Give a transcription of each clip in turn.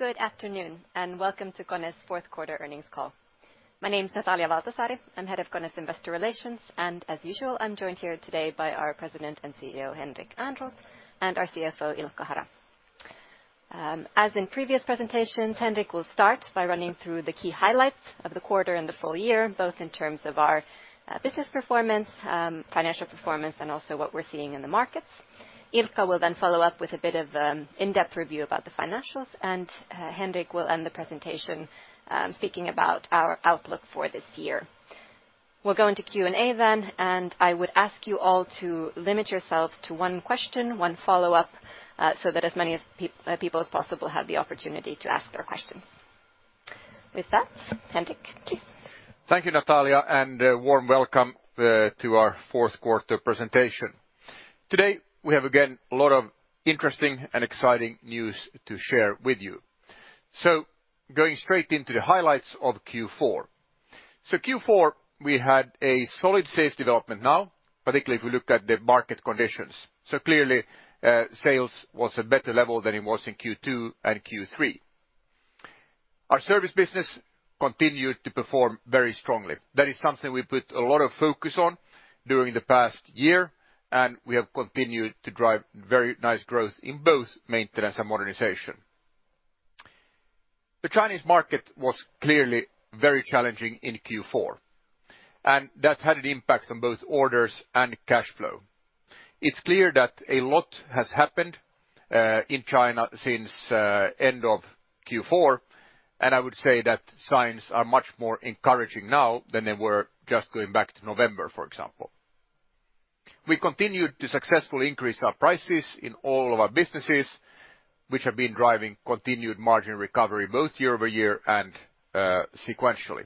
Good afternoon, welcome to KONE's Q4 earnings call. My name's Natalia Valtasaari, I'm Head of KONE's Investor Relations. As usual, I'm joined here today by our President and CEO, Henrik Ehrnrooth, and our CSO, Ilkka Hara. As in previous presentations, Henrik will start by running through the key highlights of the quarter and the full year, both in terms of our business performance, financial performance, and also what we're seeing in the markets. Ilkka will follow up with a bit of in-depth review about the financials. Henrik will end the presentation speaking about our outlook for this year. We'll go into Q&A then, and I would ask you all to limit yourselves to one question, one follow-up, so that as many people as possible have the opportunity to ask their questions. With that, Henrik, please. Thank you, Natalia, and warm welcome to our Q4 presentation. Today, we have, again, a lot of interesting and exciting news to share with you. Going straight into the highlights of Q4. Q4, we had a solid sales development now, particularly if we look at the market conditions. Clearly, sales was a better level than it was in Q2 and Q3. Our service business continued to perform very strongly. That is something we put a lot of focus on during the past year, and we have continued to drive very nice growth in both maintenance and modernization. The Chinese market was clearly very challenging in Q4, and that had an impact on both orders and cash flow. It's clear that a lot has happened in China since end of Q4. I would say that signs are much more encouraging now than they were just going back to November, for example. We continued to successfully increase our prices in all of our businesses, which have been driving continued margin recovery both quarter-year-quarter and sequentially.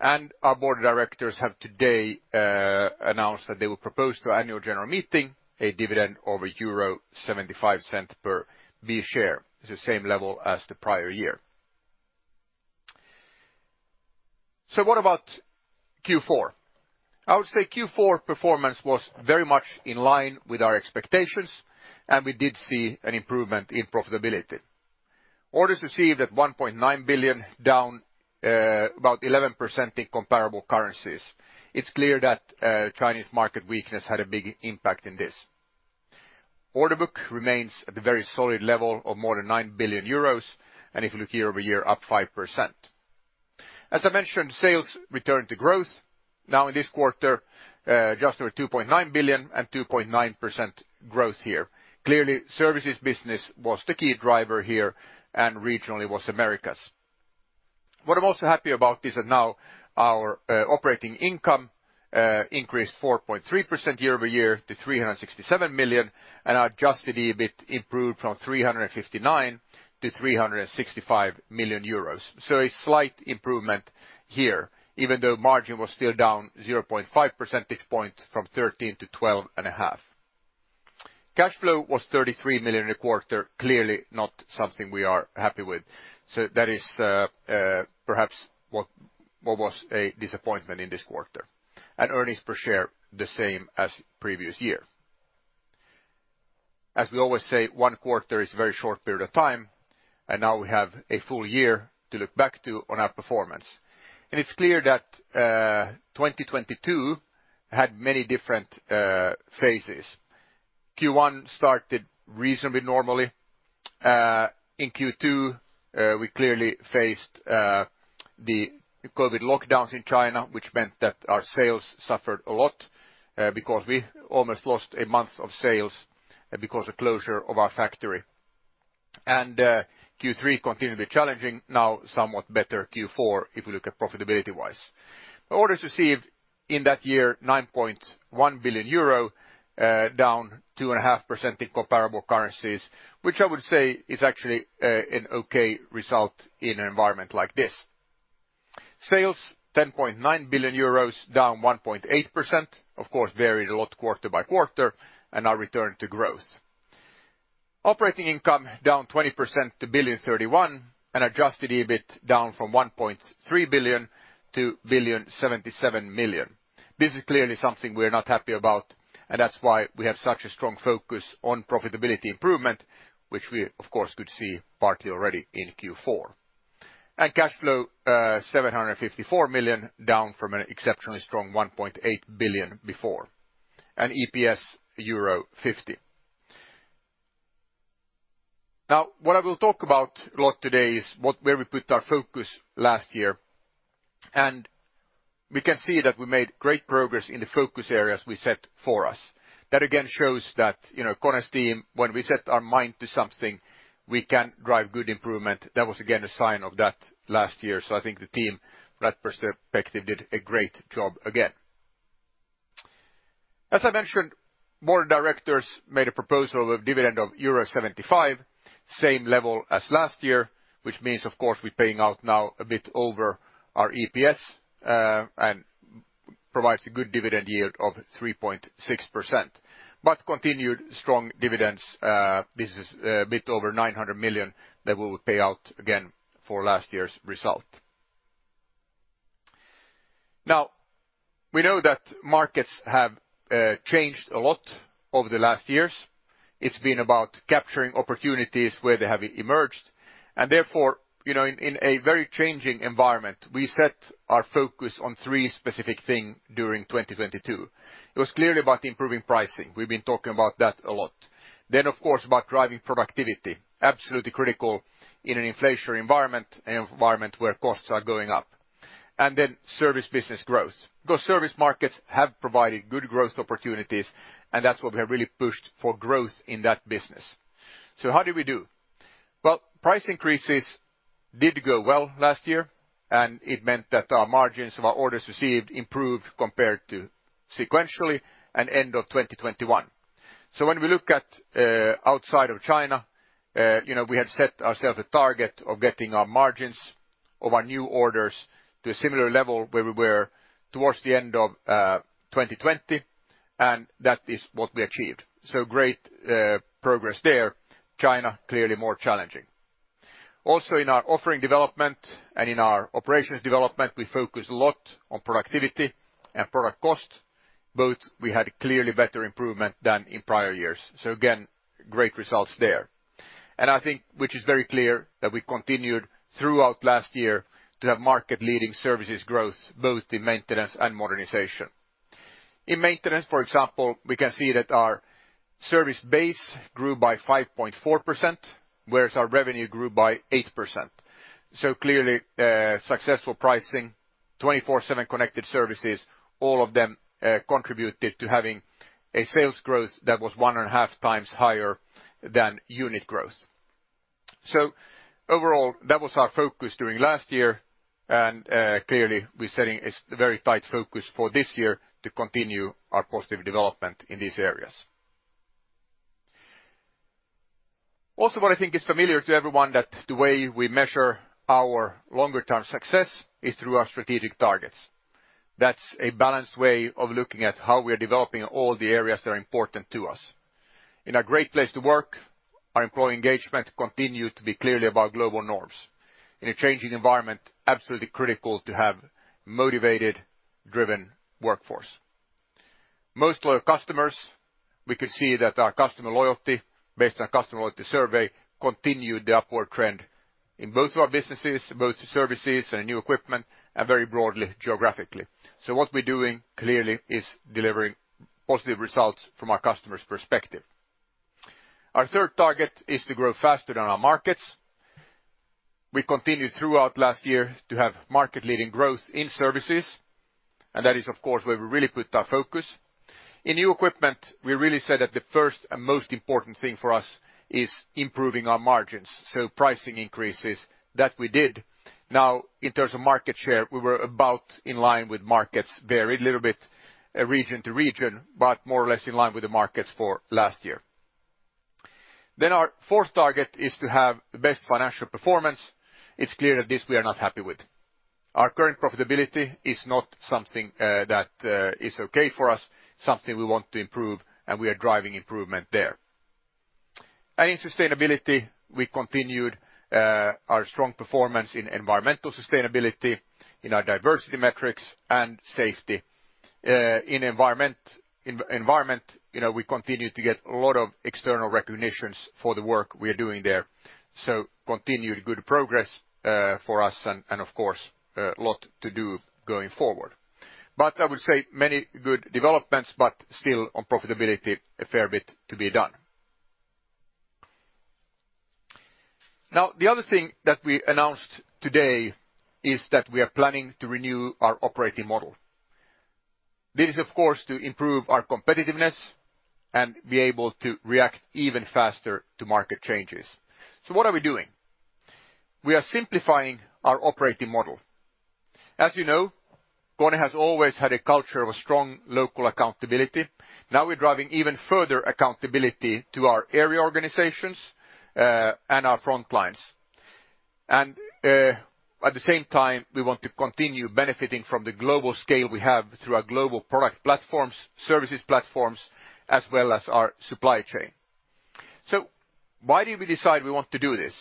Our board of directors have today announced that they will propose to annual general meeting a dividend of 0.75 per B share. It's the same level as the prior year. What about Q4? I would say Q4 performance was very much in line with our expectations. We did see an improvement in profitability. Orders received at 1.9 billion, down about 11% in comparable currencies. It's clear that Chinese market weakness had a big impact in this. Order book remains at the very solid level of more than 9 billion euros. If you look quarter-year-quarter, up 5%. As I mentioned, sales returned to growth. Now in this quarter, just over 2.9 billion and 2.9% growth here. Clearly, services business was the key driver here, and regionally was Americas. What I'm also happy about is that now our operating income increased 4.3% quarter-year-quarter to 367 million, and our adjusted EBIT improved from 359 million to 365 million euros. A slight improvement here, even though margin was still down 0.5 percentage point from 13% to 12.5%. Cash flow was 33 million in the quarter, clearly not something we are happy with. That is, perhaps what was a disappointment in this quarter. Earnings per share the same as previous year. As we always say, one quarter is a very short period of time, and now we have a full year to look back to on our performance. It's clear that 2022 had many different phases. Q1 started reasonably normally. In Q2, we clearly faced the COVID lockdowns in China, which meant that our sales suffered a lot because we almost lost a month of sales because of closure of our factory. Q3 continued to be challenging. Now, somewhat better Q4, if you look at profitability-wise. Orders received in that year, 9.1 billion euro, down 2.5% in comparable currencies, which I would say is actually an okay result in an environment like this. Sales, 10.9 billion euros, down 1.8%, of course, varied a lot quarter by quarter, and now return to growth. Operating income down 20% to 1,000,000,031, and adjusted EBIT down from 1.3 billion to 1,077,000,000. This is clearly something we're not happy about, that's why we have such a strong focus on profitability improvement, which we, of course, could see partly already in Q4. Cash flow, 754 million, down from an exceptionally strong 1.8 billion before. EPS euro 0.50. What I will talk about a lot today is where we put our focus last year. We can see that we made great progress in the focus areas we set for us. That again shows that, you know, KONE's team, when we set our mind to something, we can drive good improvement. That was again a sign of that last year. I think the team, from that perspective, did a great job again. As I mentioned, board of directors made a proposal of dividend of euro 0.75, same level as last year, which means, of course, we're paying out now a bit over our EPS and provides a good dividend yield of 3.6%. Continued strong dividends, business, a bit over 900 million that we will pay out again for last year's result. We know that markets have changed a lot over the last years. It's been about capturing opportunities where they have emerged, and therefore, you know, in a very changing environment, we set our focus on three specific thing during 2022. It was clearly about improving pricing. We've been talking about that a lot. Of course, about driving productivity, absolutely critical in an inflationary environment, an environment where costs are going up. Service business growth, because service markets have provided good growth opportunities, and that's why we have really pushed for growth in that business. How did we do? Price increases did go well last year. It meant that our margins of our orders received improved compared to sequentially and end of 2021. When we look at outside of China, you know, we had set ourselves a target of getting our margins of our new orders to a similar level where we were towards the end of 2020. That is what we achieved. Great progress there. China, clearly more challenging. Also, in our offering development and in our operations development, we focused a lot on productivity and product cost, both we had clearly better improvement than in prior years. Again, great results there. I think, which is very clear, that we continued throughout last year to have market-leading services growth, both in maintenance and modernization. In maintenance, for example, we can see that our service base grew by 5.4%, whereas our revenue grew by 8%. Clearly, KONE 24/7 Connected Services, all of them contributed to having a sales growth that was 1.5 times higher than unit growth. Overall, that was our focus during last year and clearly we're setting a very tight focus for this year to continue our positive development in these areas. Also, what I think is familiar to everyone that the way we measure our longer term success is through our strategic targets. That's a balanced way of looking at how we are developing all the areas that are important to us. In a great place to work, our employee engagement continued to be clearly above global norms. In a changing environment, absolutely critical to have motivated, driven workforce. Most loyal customers, we could see that our customer loyalty, based on our customer loyalty survey, continued the upward trend in both of our businesses, both services and new equipment, and very broadly geographically. What we're doing clearly is delivering positive results from our customers' perspective. Our third target is to grow faster than our markets. We continued throughout last year to have market-leading growth in services, and that is, of course, where we really put our focus. In new equipment, we really said that the first and most important thing for us is improving our margins, so pricing increases. That we did. In terms of market share, we were about in line with markets varied, a little bit, region to region, but more or less in line with the markets for last year. Our fourth target is to have the best financial performance. It's clear that this we are not happy with. Our current profitability is not something that is okay for us, something we want to improve, and we are driving improvement there. In sustainability, we continued our strong performance in environmental sustainability, in our diversity metrics and safety. In environment, you know, we continued to get a lot of external recognitions for the work we are doing there. Continued good progress for us and of course, a lot to do going forward. I would say many good developments, but still on profitability, a fair bit to be done. The other thing that we announced today is that we are planning to renew our operating model. This is, of course, to improve our competitiveness and be able to react even faster to market changes. What are we doing? We are simplifying our operating model. As you know, KONE has always had a culture of a strong local accountability. Now we're driving even further accountability to our area organizations and our front lines. At the same time, we want to continue benefiting from the global scale we have through our global product platforms, services platforms, as well as our supply chain. Why did we decide we want to do this?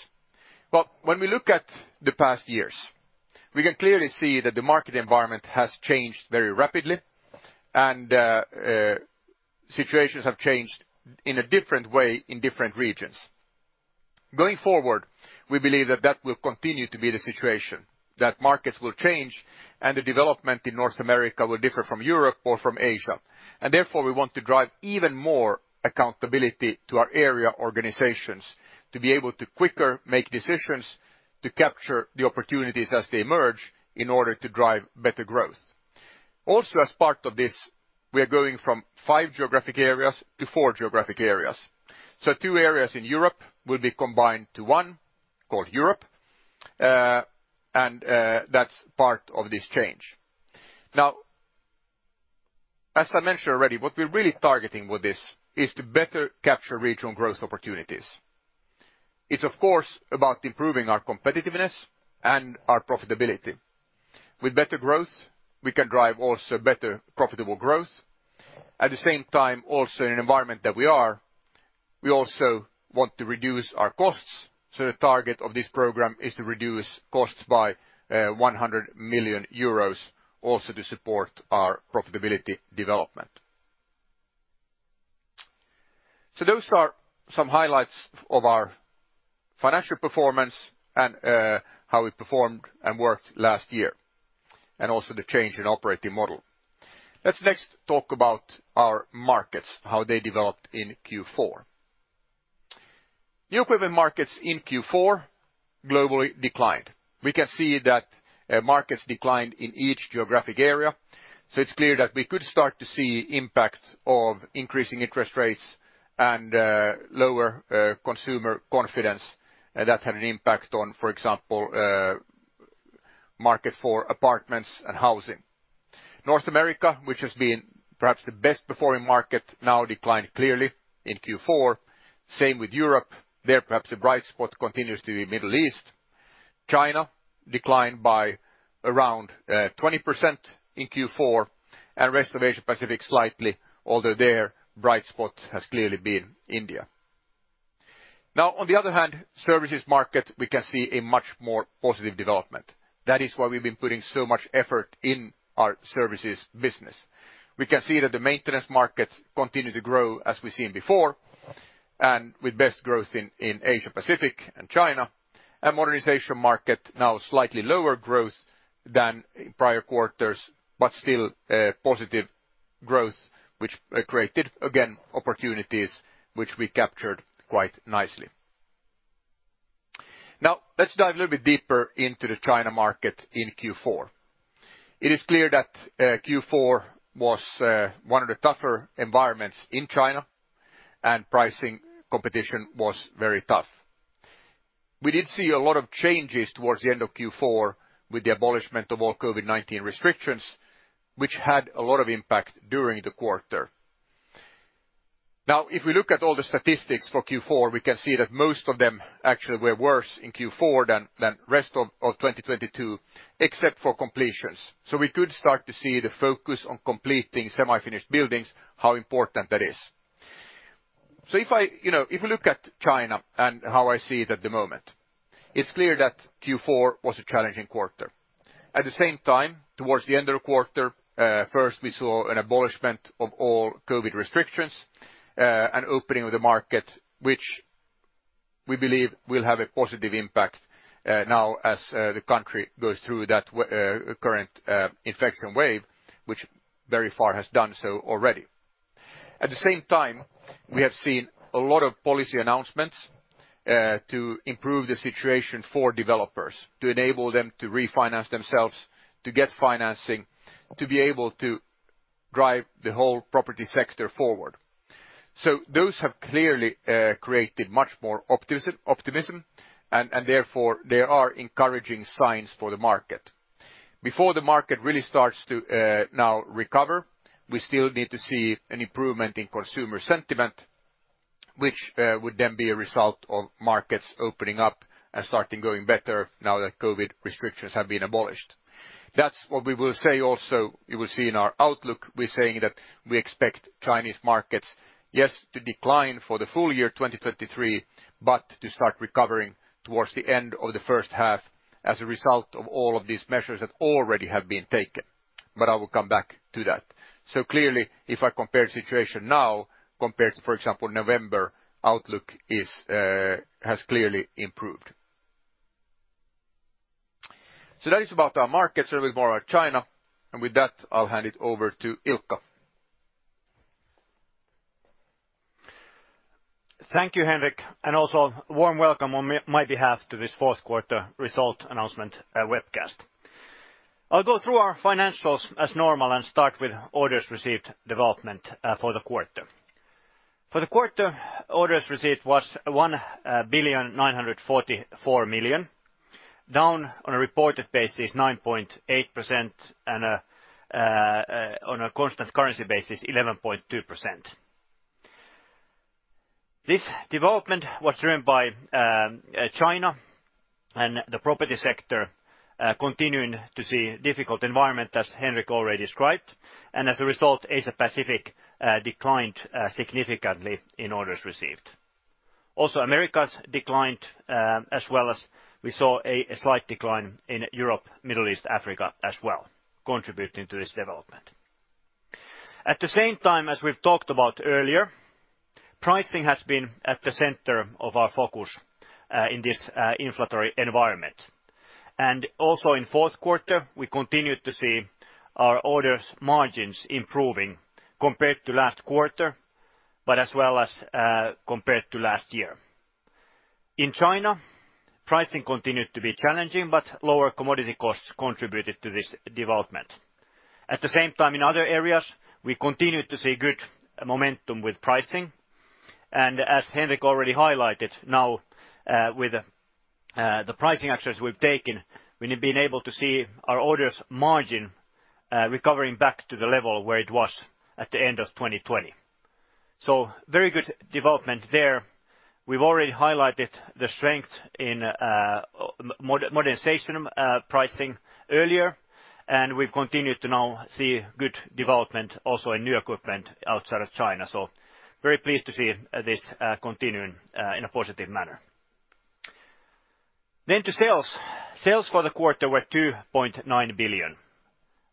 Well, when we look at the past years, we can clearly see that the market environment has changed very rapidly and situations have changed in a different way in different regions. Going forward, we believe that that will continue to be the situation, that markets will change and the development in North America will differ from Europe or from Asia. Therefore, we want to drive even more accountability to our area organizations to be able to quicker make decisions to capture the opportunities as they emerge in order to drive better growth. Also, as part of this, we are going from five geographic areas to four geographic areas. Two Areas in Europe will be combined to one, called Europe, and that's part of this change. Now, as I mentioned already, what we're really targeting with this is to better capture regional growth opportunities. It's of course about improving our competitiveness and our profitability. With better growth, we can drive also better profitable growth. In an environment that we also want to reduce our costs, the target of this program is to reduce costs by 100 million euros, also to support our profitability development. Those are some highlights of our financial performance and how we performed and worked last year, and also the change in operating model. Let's next talk about our markets, how they developed in Q4. The equipment markets in Q4 globally declined. We can see that markets declined in each geographic area, it's clear that we could start to see impact of increasing interest rates and lower consumer confidence that had an impact on, for example, market for apartments and housing. North America, which has been perhaps the best performing market, now declined clearly in Q4. Same with Europe. There perhaps a bright spot continues to the Middle East. China declined by around 20% in Q4 and rest of Asia-Pacific slightly, although their bright spot has clearly been India. On the other hand, services market, we can see a much more positive development. That is why we've been putting so much effort in our services business. We can see that the maintenance markets continue to grow as we've seen before, and with best growth in Asia-Pacific and China. Modernization market now slightly lower growth than prior quarters, but still positive growth, which created, again, opportunities which we captured quite nicely. Let's dive a little bit deeper into the China market in Q4. It is clear that Q4 was one of the tougher environments in China and pricing competition was very tough. We did see a lot of changes towards the end of Q4 with the abolishment of all COVID-19 restrictions, which had a lot of impact during the quarter. If we look at all the statistics for Q4, we can see that most of them actually were worse in Q4 than rest of 2022, except for completions. We could start to see the focus on completing semi-finished buildings, how important that is. You know, if we look at China and how I see it at the moment, it's clear that Q4 was a challenging quarter. At the same time, towards the end of the quarter, first we saw an abolishment of all COVID restrictions and opening of the market, which we believe will have a positive impact now as the country goes through that current infection wave, which very far has done so already. At the same time, we have seen a lot of policy announcements to improve the situation for developers, to enable them to refinance themselves, to get financing, to be able to drive the whole property sector forward. Those have clearly created much more optimism and therefore there are encouraging signs for the market. Before the market really starts to now recover, we still need to see an improvement in consumer sentiment, which would then be a result of markets opening up and starting going better now that COVID-19 restrictions have been abolished. That's what we will say also you will see in our outlook. We're saying that we expect Chinese markets, yes, to decline for the full year 2023, but to start recovering towards the end of the H1 as a result of all of these measures that already have been taken. I will come back to that. Clearly, if I compare the situation now compared to, for example, November, outlook is has clearly improved. That is about our markets, a little bit more our China, and with that I'll hand it over to Ilkka. Thank you, Henrik, also warm welcome on my behalf to this Q4 result announcement webcast. I'll go through our financials as normal and start with orders received development for the quarter. For the quarter, orders received was 1.944 billion, down on a reported basis 9.8% and on a constant currency basis 11.2%. This development was driven by China and the property sector continuing to see difficult environment as Henrik already described, and as a result, Asia-Pacific declined significantly in orders received. Americas declined as well as we saw a slight decline in Europe, Middle East, Africa as well, contributing to this development. At the same time, as we've talked about earlier, pricing has been at the center of our focus in this inflationary environment. Also in Q4, we continued to see our orders margins improving compared to last quarter, but as well as compared to last year. In China, pricing continued to be challenging, but lower commodity costs contributed to this development. At the same time, in other areas, we continued to see good momentum with pricing. As Henrik already highlighted, now with the pricing actions we've taken, we have been able to see our orders margin recovering back to the level where it was at the end of 2020. Very good development there. We've already highlighted the strength in modernization pricing earlier, and we've continued to now see good development also in new equipment outside of China. Very pleased to see this continuing in a positive manner. To sales. Sales for the quarter were 2.9 billion.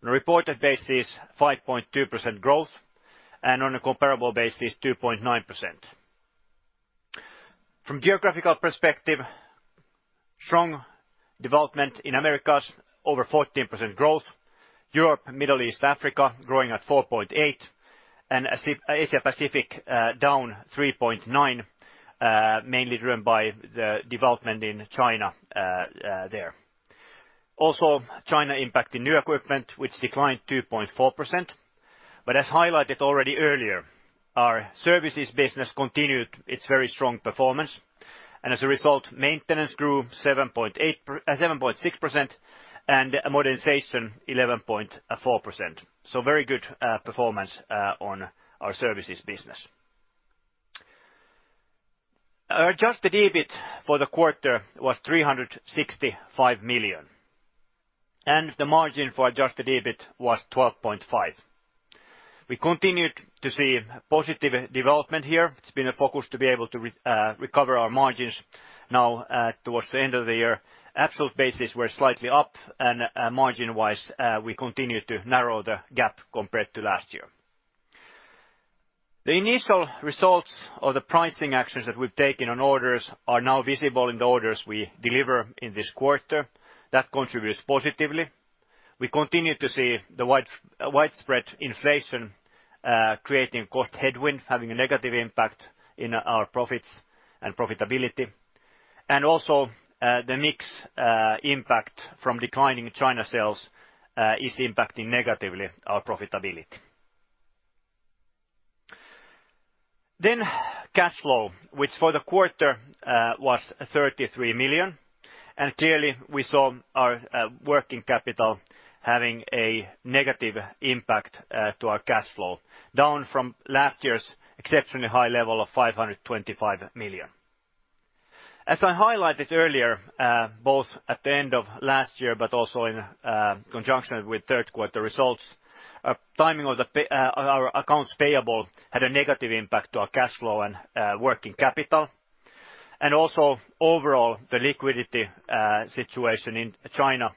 On a reported basis, 5.2% growth, and on a comparable basis, 2.9%. From geographical perspective, strong development in Americas, over 14% growth. Europe, Middle East, Africa growing at 4.8%. Asia Pacific down 3.9%, mainly driven by the development in China there. Also China impacting new equipment, which declined 2.4%. As highlighted already earlier, our services business continued its very strong performance. As a result, maintenance grew 7.6%, and modernization 11.4%. Very good performance on our services business. Our adjusted EBIT for the quarter was 365 million, and the margin for adjusted EBIT was 12.5%. We continued to see positive development here. It's been a focus to be able to recover our margins now towards the end of the year. Absolute basis we're slightly up and margin-wise, we continue to narrow the gap compared to last year. The initial results of the pricing actions that we've taken on orders are now visible in the orders we deliver in this quarter. That contributes positively. We continue to see the widespread inflation creating cost headwinds, having a negative impact in our profits and profitability. Also, the mix impact from declining China sales is impacting negatively our profitability. Cash flow, which for the quarter, was 33 million. Clearly we saw our working capital having a negative impact to our cash flow, down from last year's exceptionally high level of 525 million. As I highlighted earlier, both at the end of last year, but also in conjunction with Q3 results, our timing of the accounts payable had a negative impact to our cash flow and working capital. Overall the liquidity situation in China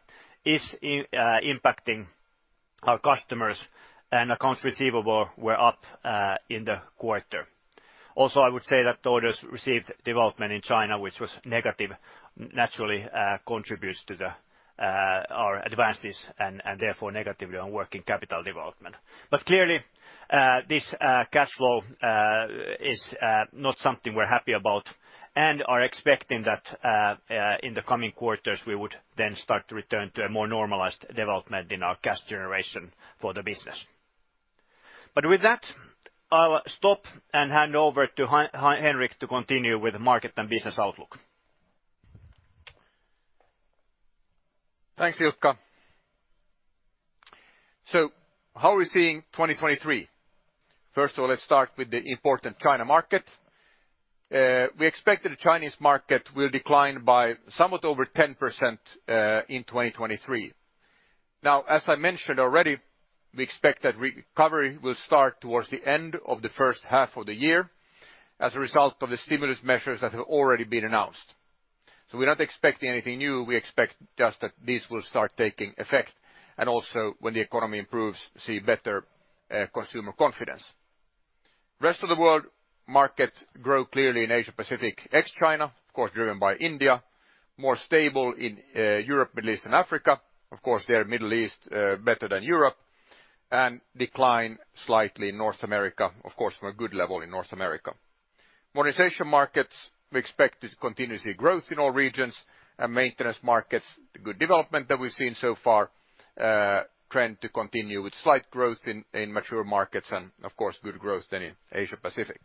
is impacting our customers and accounts receivable were up in the quarter. Also, I would say that the orders received development in China, which was negative, naturally, contributes to our advances and therefore negatively on working capital development. Clearly, this cash flow is not something we're happy about and are expecting that in the coming quarters we would then start to return to a more normalized development in our cash generation for the business. With that, I'll stop and hand over to Henrik to continue with the market and business outlook. Thanks, Ilkka. How are we seeing 2023? First of all, let's start with the important China market. We expect that the Chinese market will decline by somewhat over 10%, in 2023. As I mentioned already, we expect that recovery will start towards the end of the H1 of the year as a result of the stimulus measures that have already been announced. We're not expecting anything new. We expect just that these will start taking effect and also when the economy improves, see better, consumer confidence. Rest of the world markets grow clearly in Asia Pacific, ex-China, of course driven by India. More stable in, Europe, Middle East and Africa. Of course there, Middle East, better than Europe. Decline slightly in North America, of course from a good level in North America. Modernization markets, we expect to continue to see growth in all regions. Maintenance markets, the good development that we've seen so far, trend to continue with slight growth in mature markets and of course good growth than in Asia Pacific.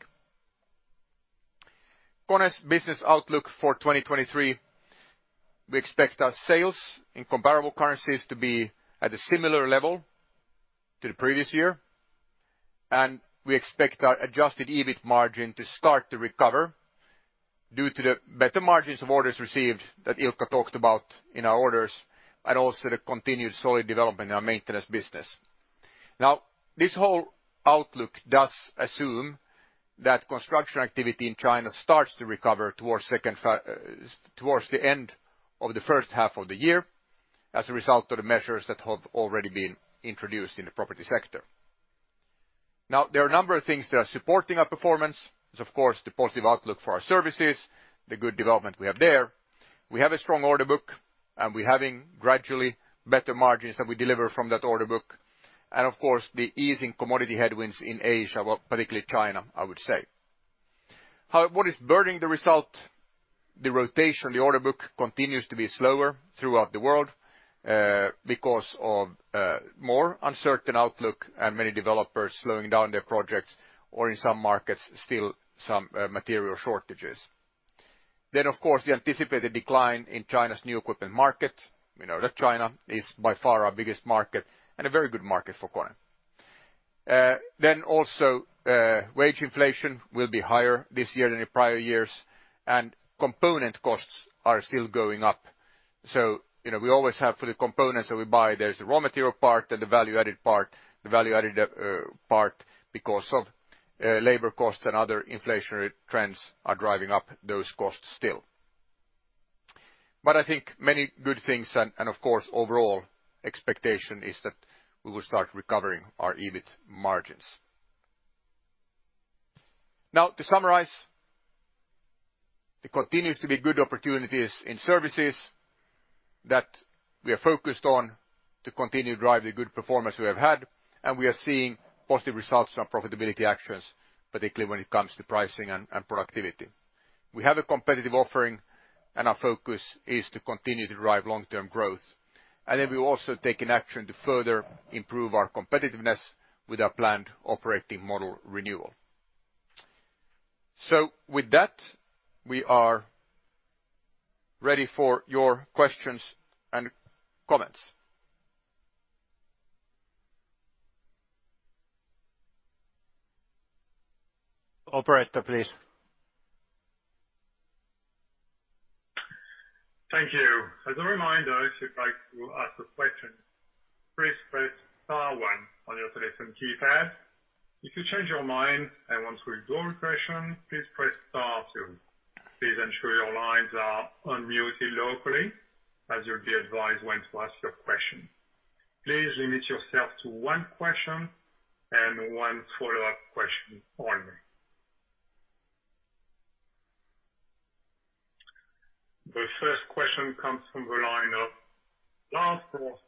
KONE's business outlook for 2023, we expect our sales in comparable currencies to be at a similar level to the previous year, and we expect our adjusted EBIT margin to start to recover due to the better margins of orders received that Ilkka talked about in our orders, and also the continued solid development in our maintenance business. This whole outlook does assume that construction activity in China starts to recover towards the end of the H1 of the year as a result of the measures that have already been introduced in the property sector. There are a number of things that are supporting our performance. There's of course the positive outlook for our services, the good development we have there. We have a strong order book and we're having gradually better margins that we deliver from that order book. Of course the easing commodity headwinds in Asia, well particularly China, I would say. What is burdening the result? The rotation in the order book continues to be slower throughout the world, because of more uncertain outlook and many developers slowing down their projects or in some markets still some material shortages. Of course the anticipated decline in China's new equipment market. We know that China is by far our biggest market and a very good market for KONE. Also, wage inflation will be higher this year than in prior years, and component costs are still going up. You know, we always have for the components that we buy, there's the raw material part and the value-added part. The value-added part, because of labor costs and other inflationary trends are driving up those costs still. I think many good things and, of course, overall expectation is that we will start recovering our EBIT margins. Now, to summarize, there continues to be good opportunities in services that we are focused on to continue to drive the good performance we have had. We are seeing positive results from profitability actions, particularly when it comes to pricing and productivity. We have a competitive offering, and our focus is to continue to drive long-term growth. We're also taking action to further improve our competitiveness with our planned operating model renewal. With that, we are ready for your questions and comments. Operator, please. Thank you. As a reminder, if you'd like to ask a question, please press star one on your telephone keypad. If you change your mind and want to withdraw your question, please press star two. Please ensure your lines are unmuted locally as you'll be advised when to ask your question. Please limit yourself to one question and one follow-up question only. The first question comes from the line of Lars Zorn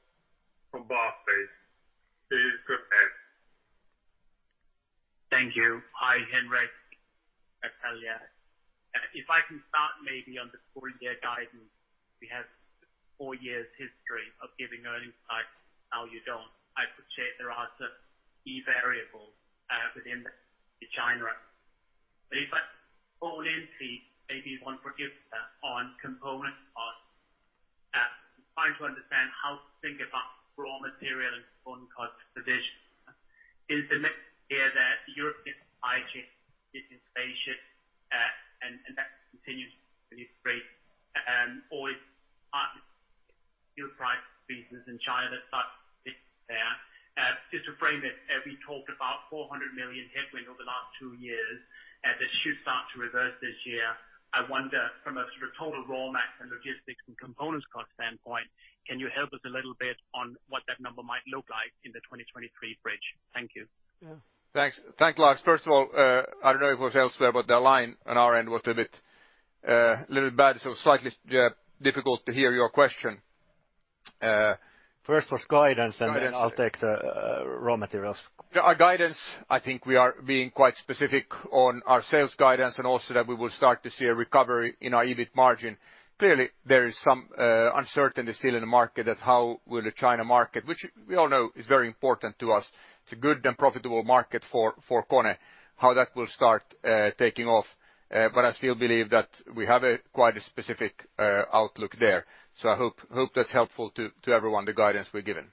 from Barclays. Please go ahead. Thank you. Hi, Henrik, it's Elliot. If I can start maybe on the full year guidance. We have four years history of giving early insights. Now you don't. I appreciate there are some key variables within the China. If I can hone in, please, maybe one for Gustav, on component costs. Trying to understand how to think about raw material and component cost position. Is the next year that European 5G is in spaceship, and that continues to be free? Is it your price business in China that starts to pick there? Just to frame it, as we talked about 400 million headwind over the last two years, that should start to reverse this year. I wonder from a sort of total raw mats and logistics and components cost standpoint, can you help us a little bit on what that number might look like in the 2023 bridge? Thank you. Thanks. Thank, Lars. I don't know if it was elsewhere, but the line on our end was a bit a little bad, so slightly, yeah, difficult to hear your question. First was guidance, then I'll take the raw materials. Yeah. Our guidance, I think we are being quite specific on our sales guidance and also that we will start to see a recovery in our EBIT margin. Clearly, there is some uncertainty still in the market as how will the China market, which we all know is very important to us. It's a good and profitable market for KONE, how that will start taking off. I still believe that we have a quite a specific outlook there. I hope that's helpful to everyone, the guidance we've given.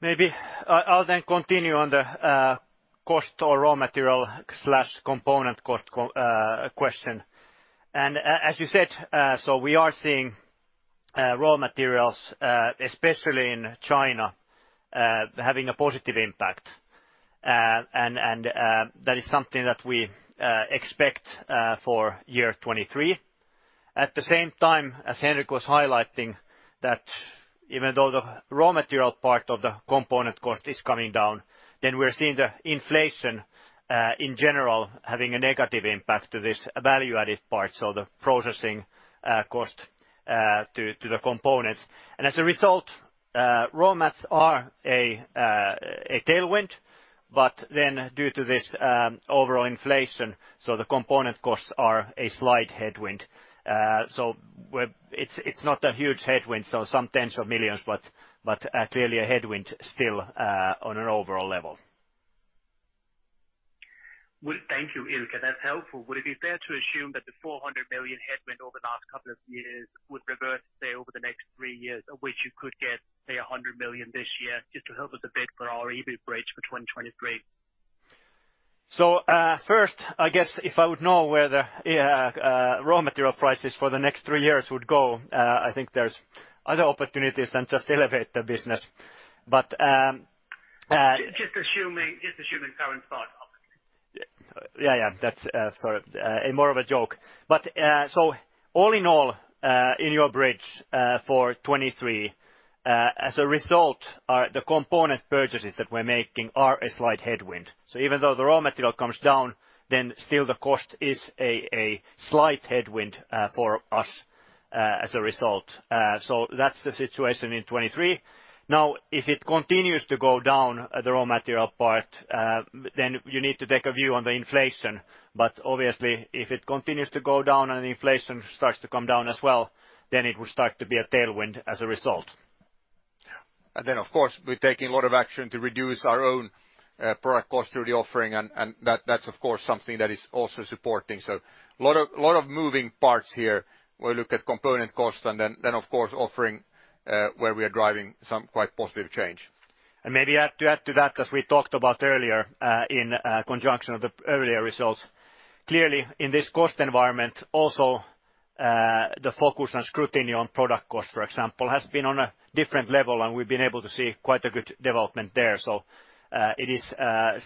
Maybe I'll then continue on the cost or raw material/component cost question. As you said, we are seeing raw materials, especially in China, having a positive impact. That is something that we expect for year 2023. At the same time, as Henrik was highlighting, that even though the raw material part of the component cost is coming down, we're seeing the inflation in general, having a negative impact to this value-added part, so the processing cost to the components. As a result, raw mats are a tailwind, but due to this overall inflation, the component costs are a slight headwind. It's not a huge headwind, so some EUR tens of millions, but clearly a headwind still on an overall level. Thank you, Ilkka. That's helpful. Would it be fair to assume that the 400 million headwind over the last couple of years would reverse, say, over the next threeyears, of which you could get, say, 100 million this year just to help us a bit for our EBIT bridge for 2023? First, I guess if I would know where the raw material prices for the next three years would go, I think there's other opportunities than just elevate the business. Just assuming current thought. Yeah, yeah. That's sort of more of a joke. All in all, in your bridge, for 2023, as a result, the component purchases that we're making are a slight headwind. Even though the raw material comes down, then still the cost is a slight headwind for us as a result. That's the situation in 2023. Now, if it continues to go down the raw material part, then you need to take a view on the inflation. Obviously, if it continues to go down and inflation starts to come down as well, then it will start to be a tailwind as a result. Of course, we're taking a lot of action to reduce our own product cost through the offering, and that's of course something that is also supporting. A lot of moving parts here. We look at component cost and then of course, offering, where we are driving some quite positive change. Maybe add, to add to that, as we talked about earlier, in conjunction of the earlier results. Clearly in this cost environment also, the focus on scrutiny on product cost, for example, has been on a different level, and we've been able to see quite a good development there. It is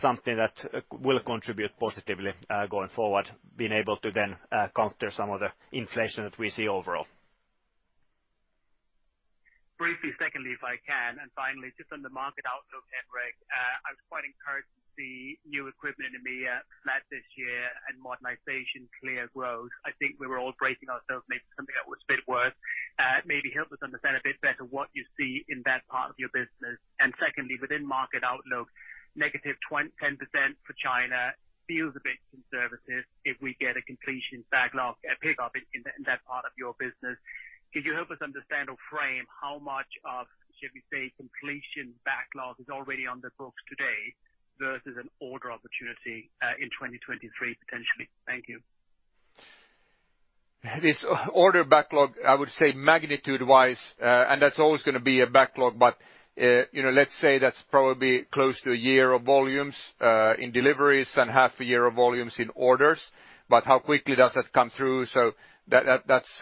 something that will contribute positively, going forward, being able to then, counter some of the inflation that we see overall. Briefly, secondly, if I can, and finally, just on the market outlook, Henrik. I was quite encouraged to see new equipment in EMEA flat this year and modernization clear growth. I think we were all bracing ourselves, maybe something that was a bit worse. Maybe help us understand a bit better what you see in that part of your business. Secondly, within market outlook, negative 10% for China feels a bit conservative if we get a completion backlog, pickup in that part of your business. Could you help us understand or frame how much of, should we say, completion backlog is already on the books today versus an order opportunity, in 2023, potentially? Thank you. This order backlog, I would say magnitude-wise, and that's always gonna be a backlog, but, you know, let's say that's probably close to a year of volumes in deliveries and half a year of volumes in orders. How quickly does that come through? That's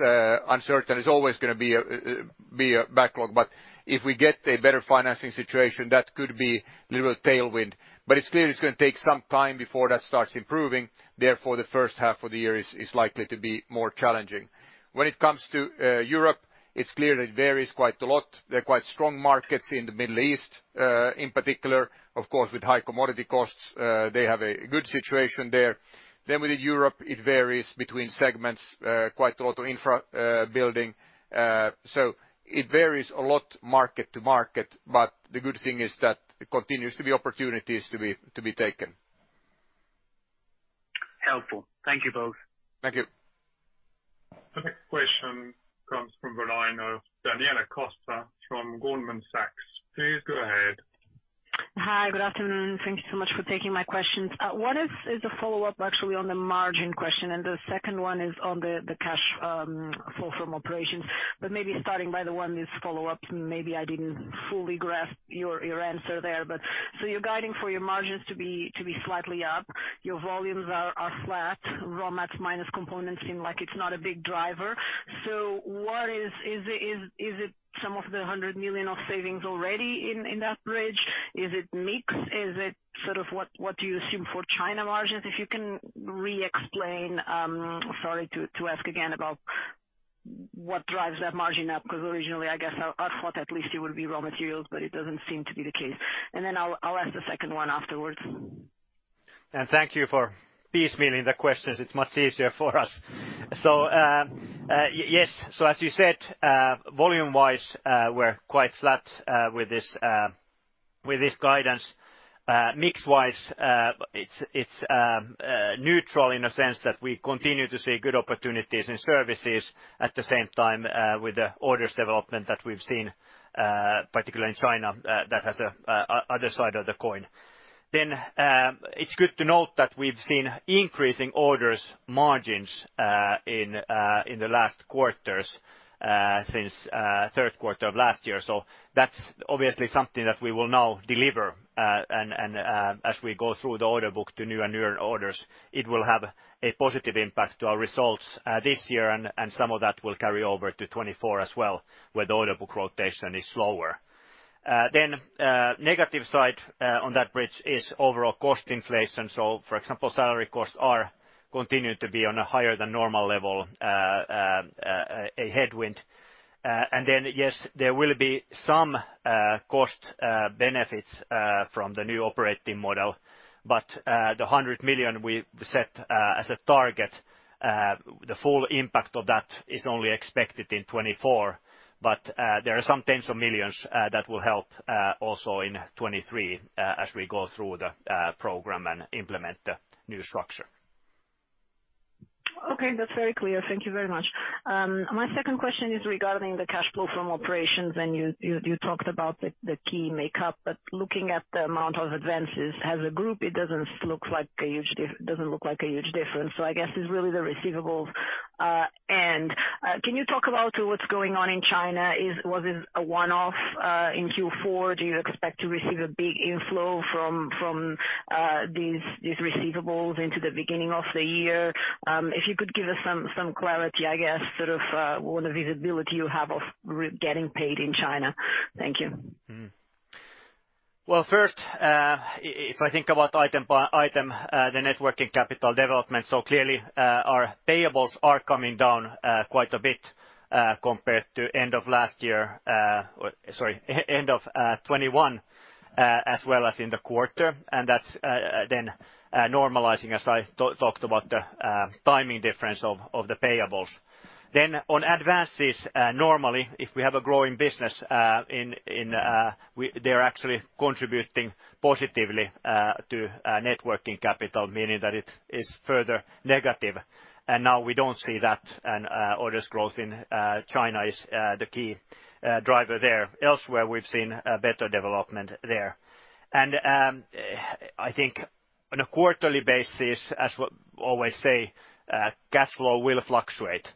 uncertain. It's always gonna be a backlog, but if we get a better financing situation, that could be a little tailwind. It's clear it's gonna take some time before that starts improving, therefore, the H1 of the year is likely to be more challenging. When it comes to Europe, it's clear it varies quite a lot. There are quite strong markets in the Middle East, in particular. Of course, with high commodity costs, they have a good situation there. Within Europe, it varies between segments, quite a lot of infra, building. It varies a lot market to market, but the good thing is that it continues to be opportunities to be taken. Helpful. Thank you both. Thank you. The next question comes from the line of Daniela Costa from Goldman Sachs. Please go ahead. Hi, good afternoon. Thank you so much for taking my questions. One is a follow-up actually on the margin question, and the second one is on the cash flow from operations. Maybe starting by the one that's follow-up, maybe I didn't fully grasp your answer there. You're guiding for your margins to be slightly up. Your volumes are flat. Raw mats minus components seem like it's not a big driver. What is it some of the 100 million of savings already in that bridge? Is it mix? Is it sort of what do you assume for China margins? If you can re-explain, sorry to ask again about what drives that margin up, because originally, I guess, I thought at least it would be raw materials, but it doesn't seem to be the case. I'll ask the second one afterwards. Thank you for piecemealing the questions. It's much easier for us. Yes. As you said, volume-wise, we're quite flat with this guidance. Mix-wise, it's neutral in a sense that we continue to see good opportunities in services. At the same time, with the orders development that we've seen, particularly in China, that has a other side of the coin. It's good to note that we've seen increasing orders margins in the last quarters since Q3 of last year. That's obviously something that we will now deliver and as we go through the order book to new and newer orders. It will have a positive impact to our results this year and some of that will carry over to 2024 as well, where the order book rotation is slower. Negative side on that bridge is overall cost inflation. For example, salary costs are continuing to be on a higher than normal level, a headwind. Yes, there will be some cost benefits from the new operating model. The 100 million we set as a target, the full impact of that is only expected in 2024, but there are some tens of millions that will help also in 2023 as we go through the program and implement the new structure. Okay, that's very clear. Thank you very much. My second question is regarding the cash flow from operations, and you talked about the key makeup. Looking at the amount of advances as a group, it doesn't look like a huge difference. I guess it's really the receivables. Can you talk about what's going on in China? Was it a one-off in Q4? Do you expect to receive a big inflow from these receivables into the beginning of the year? If you could give us some clarity, I guess, sort of what visibility you have of getting paid in China. Thank you. Well, first, if I think about item by item, the Net Working Capital development. Clearly, our payables are coming down quite a bit compared to end of last year, sorry, end of 21, as well as in the quarter. That's then normalizing as I talked about the timing difference of the payables. On advances, normally, if we have a growing business in, they're actually contributing positively to Net Working Capital, meaning that it is further negative. Now we don't see that, and orders growth in China is the key driver there. Elsewhere, we've seen a better development there. I think on a quarterly basis, as we always say, cash flow will fluctuate.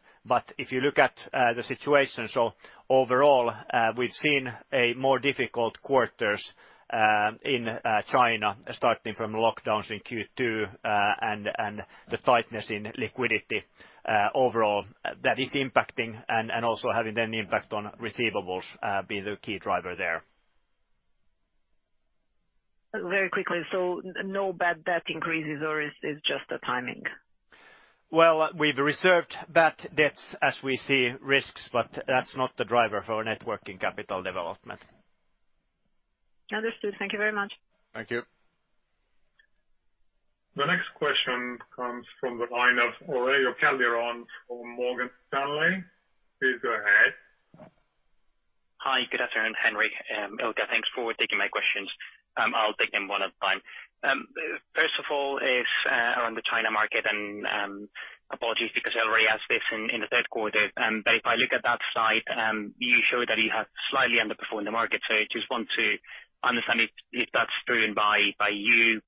If you look at the situation, so overall, we've seen a more difficult quarters in China starting from lockdowns in Q2, and the tightness in liquidity, overall that is impacting and also having an impact on receivables, being the key driver there. Very quickly, no bad debt increases or is just a timing? Well, we've reserved bad debts as we see risks, but that's not the driver for Net Working Capital development. Understood. Thank you very much. Thank you. The next question comes from the line of Aurelio Calderon from Morgan Stanley. Please go ahead. Hi. Good afternoon, Henri, Ilkka, thanks for taking my questions. I'll take them one at a time. First of all is, around the China market and, apologies because I already asked this in the Q3. If I look at that slide, you show that you have slightly underperformed the market. I just want to understand if that's driven by you,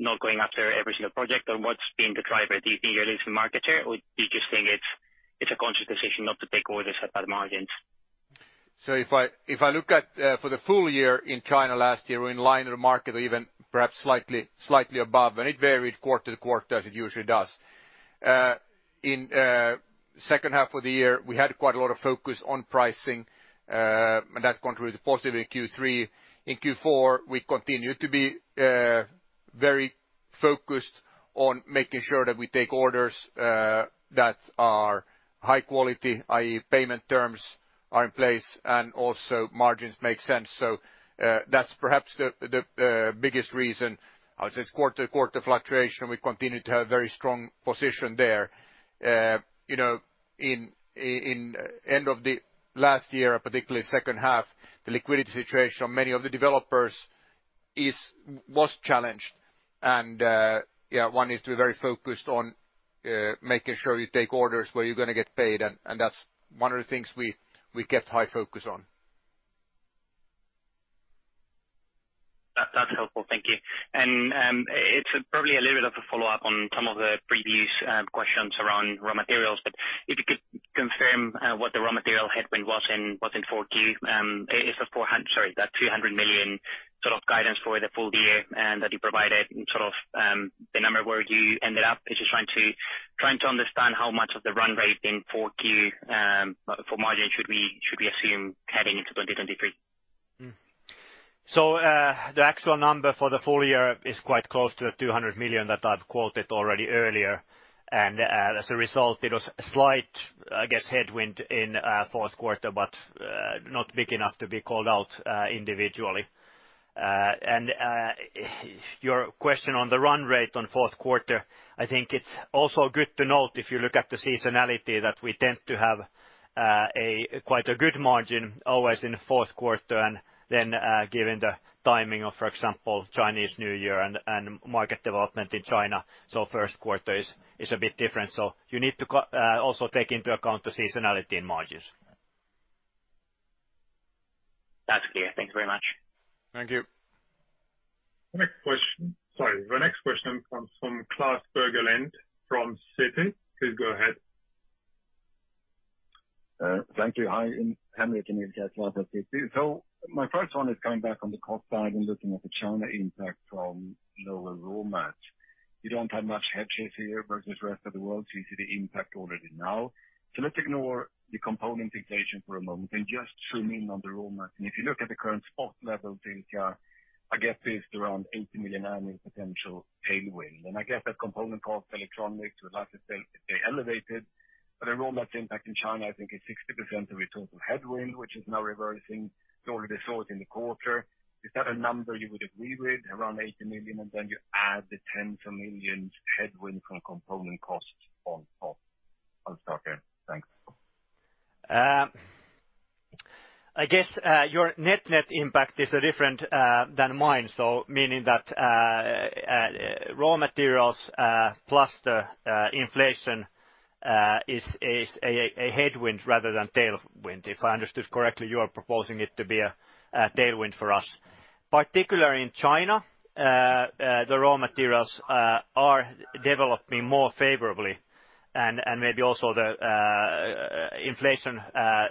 not going after every single project or what's been the driver. Do you think you're losing market share or do you just think it's a conscious decision not to take orders at bad margins? If I look at for the full year in China last year, we're in line with the market or even perhaps slightly above. It varied quarter to quarter as it usually does. In H2 of the year, we had quite a lot of focus on pricing, and that contributed positively in Q3. In Q4, we continued to be very focused on making sure that we take orders that are high quality, i.e. payment terms are in place and also margins make sense. That's perhaps the biggest reason. As it's quarter to quarter fluctuation, we continue to have very strong position there. you know, in end of the last year, particularly H2, the liquidity situation of many of the developers was challenged. Yeah, one is to be very focused on, making sure you take orders where you're gonna get paid, and that's one of the things we kept high focus on. That's helpful. Thank you. It's probably a little bit of a follow-up on some of the previous questions around raw materials. If you could confirm what the raw material headwind was in 4Q, is that 200 million sort of guidance for the full year that you provided and sort of the number where you ended up? I'm just trying to understand how much of the run rate in 4Q for margin should we assume heading into 2023? The actual number for the full year is quite close to the 200 million that I've quoted already earlier. As a result, it was a slight, I guess, headwind in Q4, but not big enough to be called out individually. Your question on the run rate on Q4, I think it's also good to note if you look at the seasonality, that we tend to have a quite a good margin always in the Q4. Then, given the timing of, for example, Chinese New Year and market development in China, Q1 is a bit different. You need to also take into account the seasonality in margins. That's clear. Thank you very much. Thank you. Next question. Sorry. The next question comes from Klas Bergelind from Citi. Please go ahead. Thank you. Hi, Henri and Ilkka. Klas at Citi. My first one is coming back on the cost side and looking at the China impact from lower raw mats. You don't have much head chase here versus rest of the world, you see the impact already now. Let's ignore the component inflation for a moment and just zoom in on the raw mats. If you look at the current spot levels, they are, I guess, is around 80 million annual potential tailwind. I guess that component cost electronics would like to stay elevated. The raw mats impact in China, I think is 60% of a total headwind, which is now reversing. You already saw it in the quarter. Is that a number you would agree with, around 80 million, and then you add the 10 million headwind from component costs on top? I'll start there. Thanks. I guess your net-net impact is different than mine. Meaning that raw materials plus the inflation is a headwind rather than tailwind. If I understood correctly, you are proposing it to be a tailwind for us. Particular in China, the raw materials are developing more favorably. Maybe also the inflation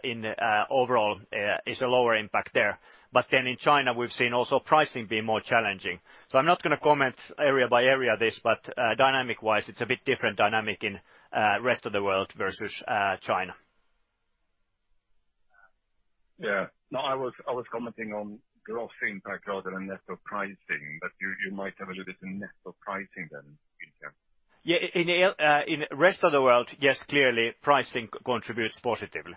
in overall is a lower impact there. In China, we've seen also pricing being more challenging. I'm not gonna comment area by area this, but dynamic-wise, it's a bit different dynamic in rest of the world versus China. Yeah. No, I was commenting on gross impact rather than net of pricing, but you might have a little bit of net of pricing then in there. Yeah. In rest of the world, yes, clearly pricing contributes positively.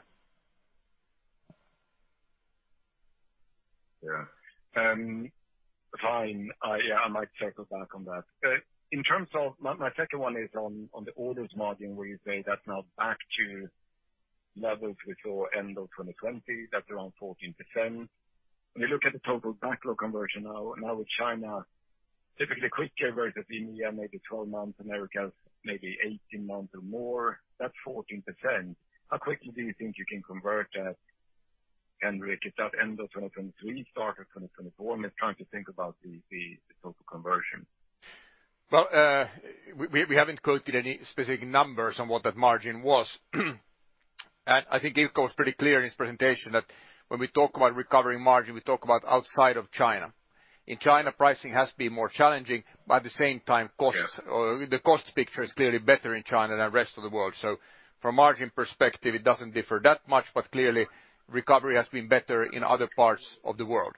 Fine. I, yeah, I might circle back on that. My second one is on the orders margin, where you say that's now back to levels we saw end of 2020, that's around 14%. When you look at the total backlog conversion now with China-Typically quicker versus India, maybe 12 months, America maybe 18 months or more. That 14%, how quickly do you think you can convert that, Henrik, is that end of 2023, start of 2024? I'm just trying to think about the total conversion. We haven't quoted any specific numbers on what that margin was. I think Ilko was pretty clear in his presentation that when we talk about recovering margin, we talk about outside of China. In China, pricing has been more challenging, but at the same time costs, the cost picture is clearly better in China than rest of the world. From a margin perspective, it doesn't differ that much, but clearly recovery has been better in other parts of the world.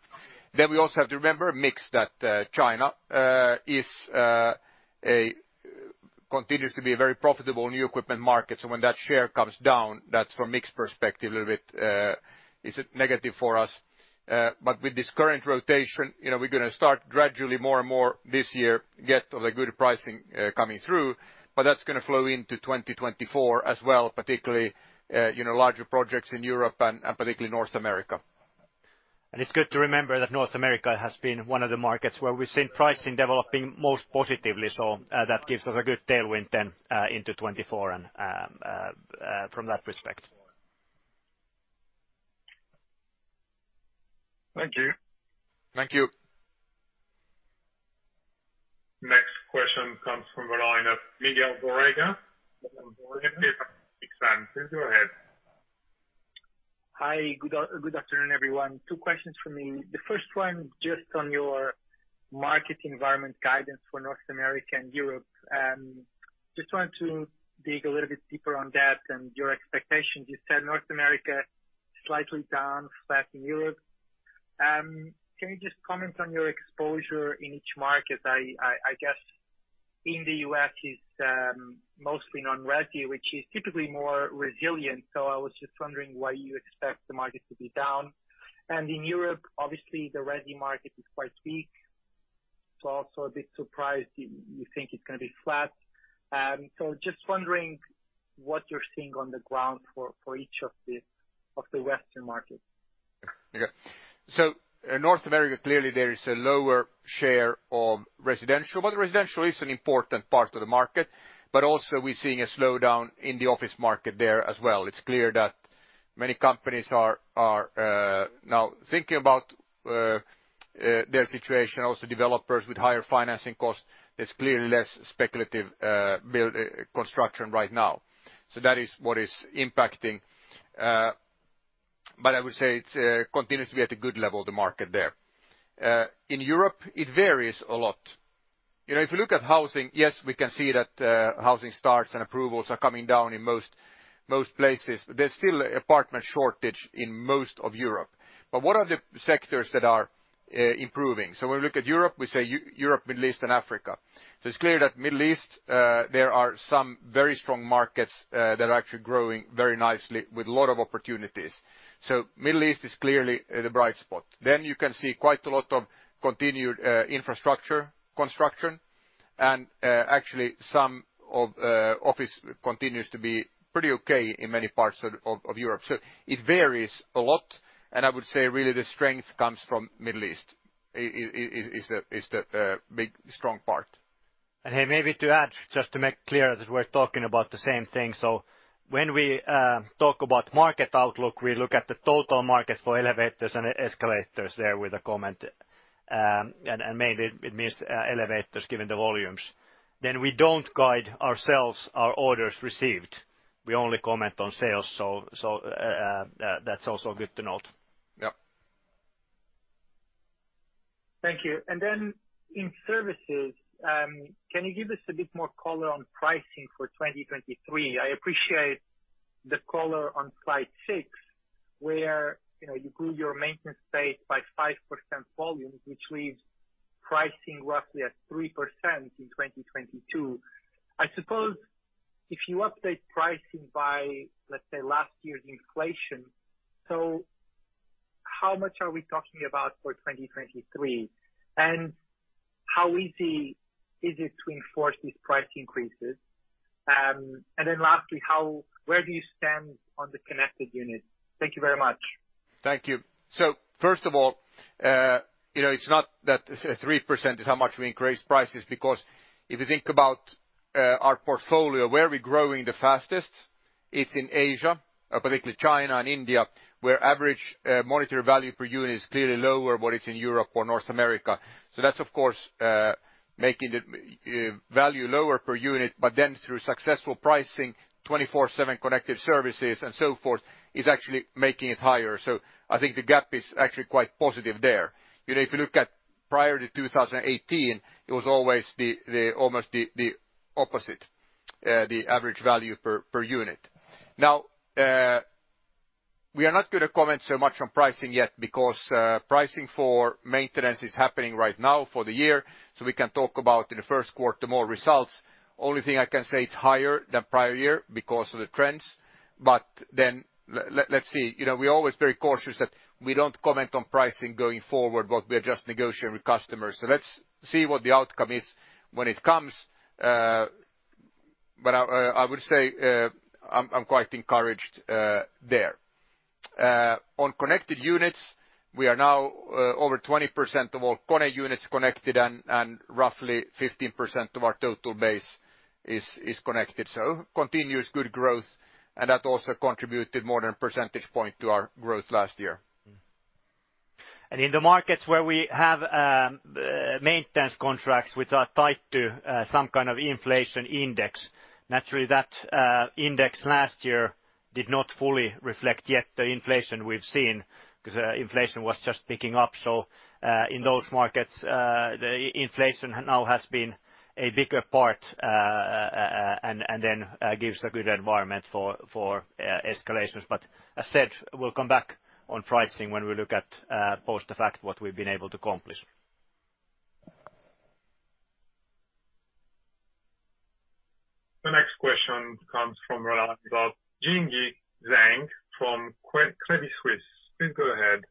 We also have to remember mix that China is continuously a very profitable new equipment market. When that share comes down, that's from mix perspective a little bit, is negative for us. With this current rotation, you know, we're gonna start gradually more and more this year, get the good pricing coming through, but that's gonna flow into 2024 as well, particularly, you know, larger projects in Europe and particularly North America. It's good to remember that North America has been one of the markets where we've seen pricing developing most positively. That gives us a good tailwind then, into 2024 and, from that respect. Thank you. Thank you. Next question comes from the line of Miguel Borrega. Miguel Borrega, please go ahead. Hi. Good afternoon, everyone. Two questions from me. The first one, just on your market environment guidance for North America and Europe. Just wanted to dig a little bit deeper on that and your expectations. You said North America slightly down, flat in Europe. Can you just comment on your exposure in each market? I guess in the U.S. it's mostly non-resi, which is typically more resilient, so I was just wondering why you expect the market to be down? In Europe, obviously the resi market is quite weak, so also a bit surprised you think it's gonna be flat. Just wondering what you're seeing on the ground for each of the Western markets? Okay. North America, clearly there is a lower share of residential, but residential is an important part of the market. Also, we're seeing a slowdown in the office market there as well. It's clear that many companies are now thinking about their situation. Also, developers with higher financing costs, there's clearly less speculative build construction right now. That is what is impacting. I would say it continues to be at a good level, the market there. In Europe, it varies a lot. You know, if you look at housing, yes, we can see that housing starts and approvals are coming down in most places. There's still a apartment shortage in most of Europe, but what are the sectors that are improving? When we look at Europe, we say Europe, Middle East, and Africa. It's clear that Middle East, there are some very strong markets, that are actually growing very nicely with a lot of opportunities. Middle East is clearly, the bright spot. You can see quite a lot of continued, infrastructure construction, and, actually some of, office continues to be pretty okay in many parts of Europe. It varies a lot. I would say really the strength comes from Middle East is the big strong part. Hey, maybe to add, just to make clear that we're talking about the same thing. When we talk about market outlook, we look at the total market for elevators and escalators there with a comment. And mainly it means elevators given the volumes. We don't guide ourselves our orders received. We only comment on sales. That's also good to note. Yeah. Thank you. Then in services, can you give us a bit more color on pricing for 2023? I appreciate the color on slide six, where, you know, you grew your maintenance base by 5% volumes, which leaves pricing roughly at 3% in 2022. I suppose if you update pricing by, let's say, last year's inflation, how much are we talking about for 2023? How easy is it to enforce these price increases? Lastly, where do you stand on the connected units? Thank you very much. Thank you. First of all, you know, it's not that 3% is how much we increased prices, because if you think about our portfolio, where we're growing the fastest, it's in Asia, particularly China and India, where average monetary value per unit is clearly lower what it's in Europe or North America. That's of course, making the value lower per unit. Through successful pricing, 24/7 Connected Services and so forth, is actually making it higher. I think the gap is actually quite positive there. You know, if you look at prior to 2018, it was always the almost the opposite, the average value per unit. We are not gonna comment so much on pricing yet because pricing for maintenance is happening right now for the year, so we can talk about in the Q1 more results. Only thing I can say it's higher than prior year because of the trends. Let's see, you know, we're always very cautious that we don't comment on pricing going forward, what we are just negotiating with customers. Let's see what the outcome is when it comes. I would say, I'm quite encouraged there. On connected units, we are now over 20% of all KONE units connected and roughly 15% of our total base is connected. Continuous good growth, and that also contributed more than a percentage point to our growth last year. In the markets where we have maintenance contracts which are tied to some kind of inflation index, naturally, that index last year did not fully reflect yet the inflation we've seen, 'cause inflation was just picking up. In those markets, the inflation now has been a bigger part, and then gives a good environment for escalations. As said, we'll come back on pricing when we look at post-fact what we've been able to accomplish. The next question comes from the line of Jingyi Zhang from Credit Suisse. Please go ahead.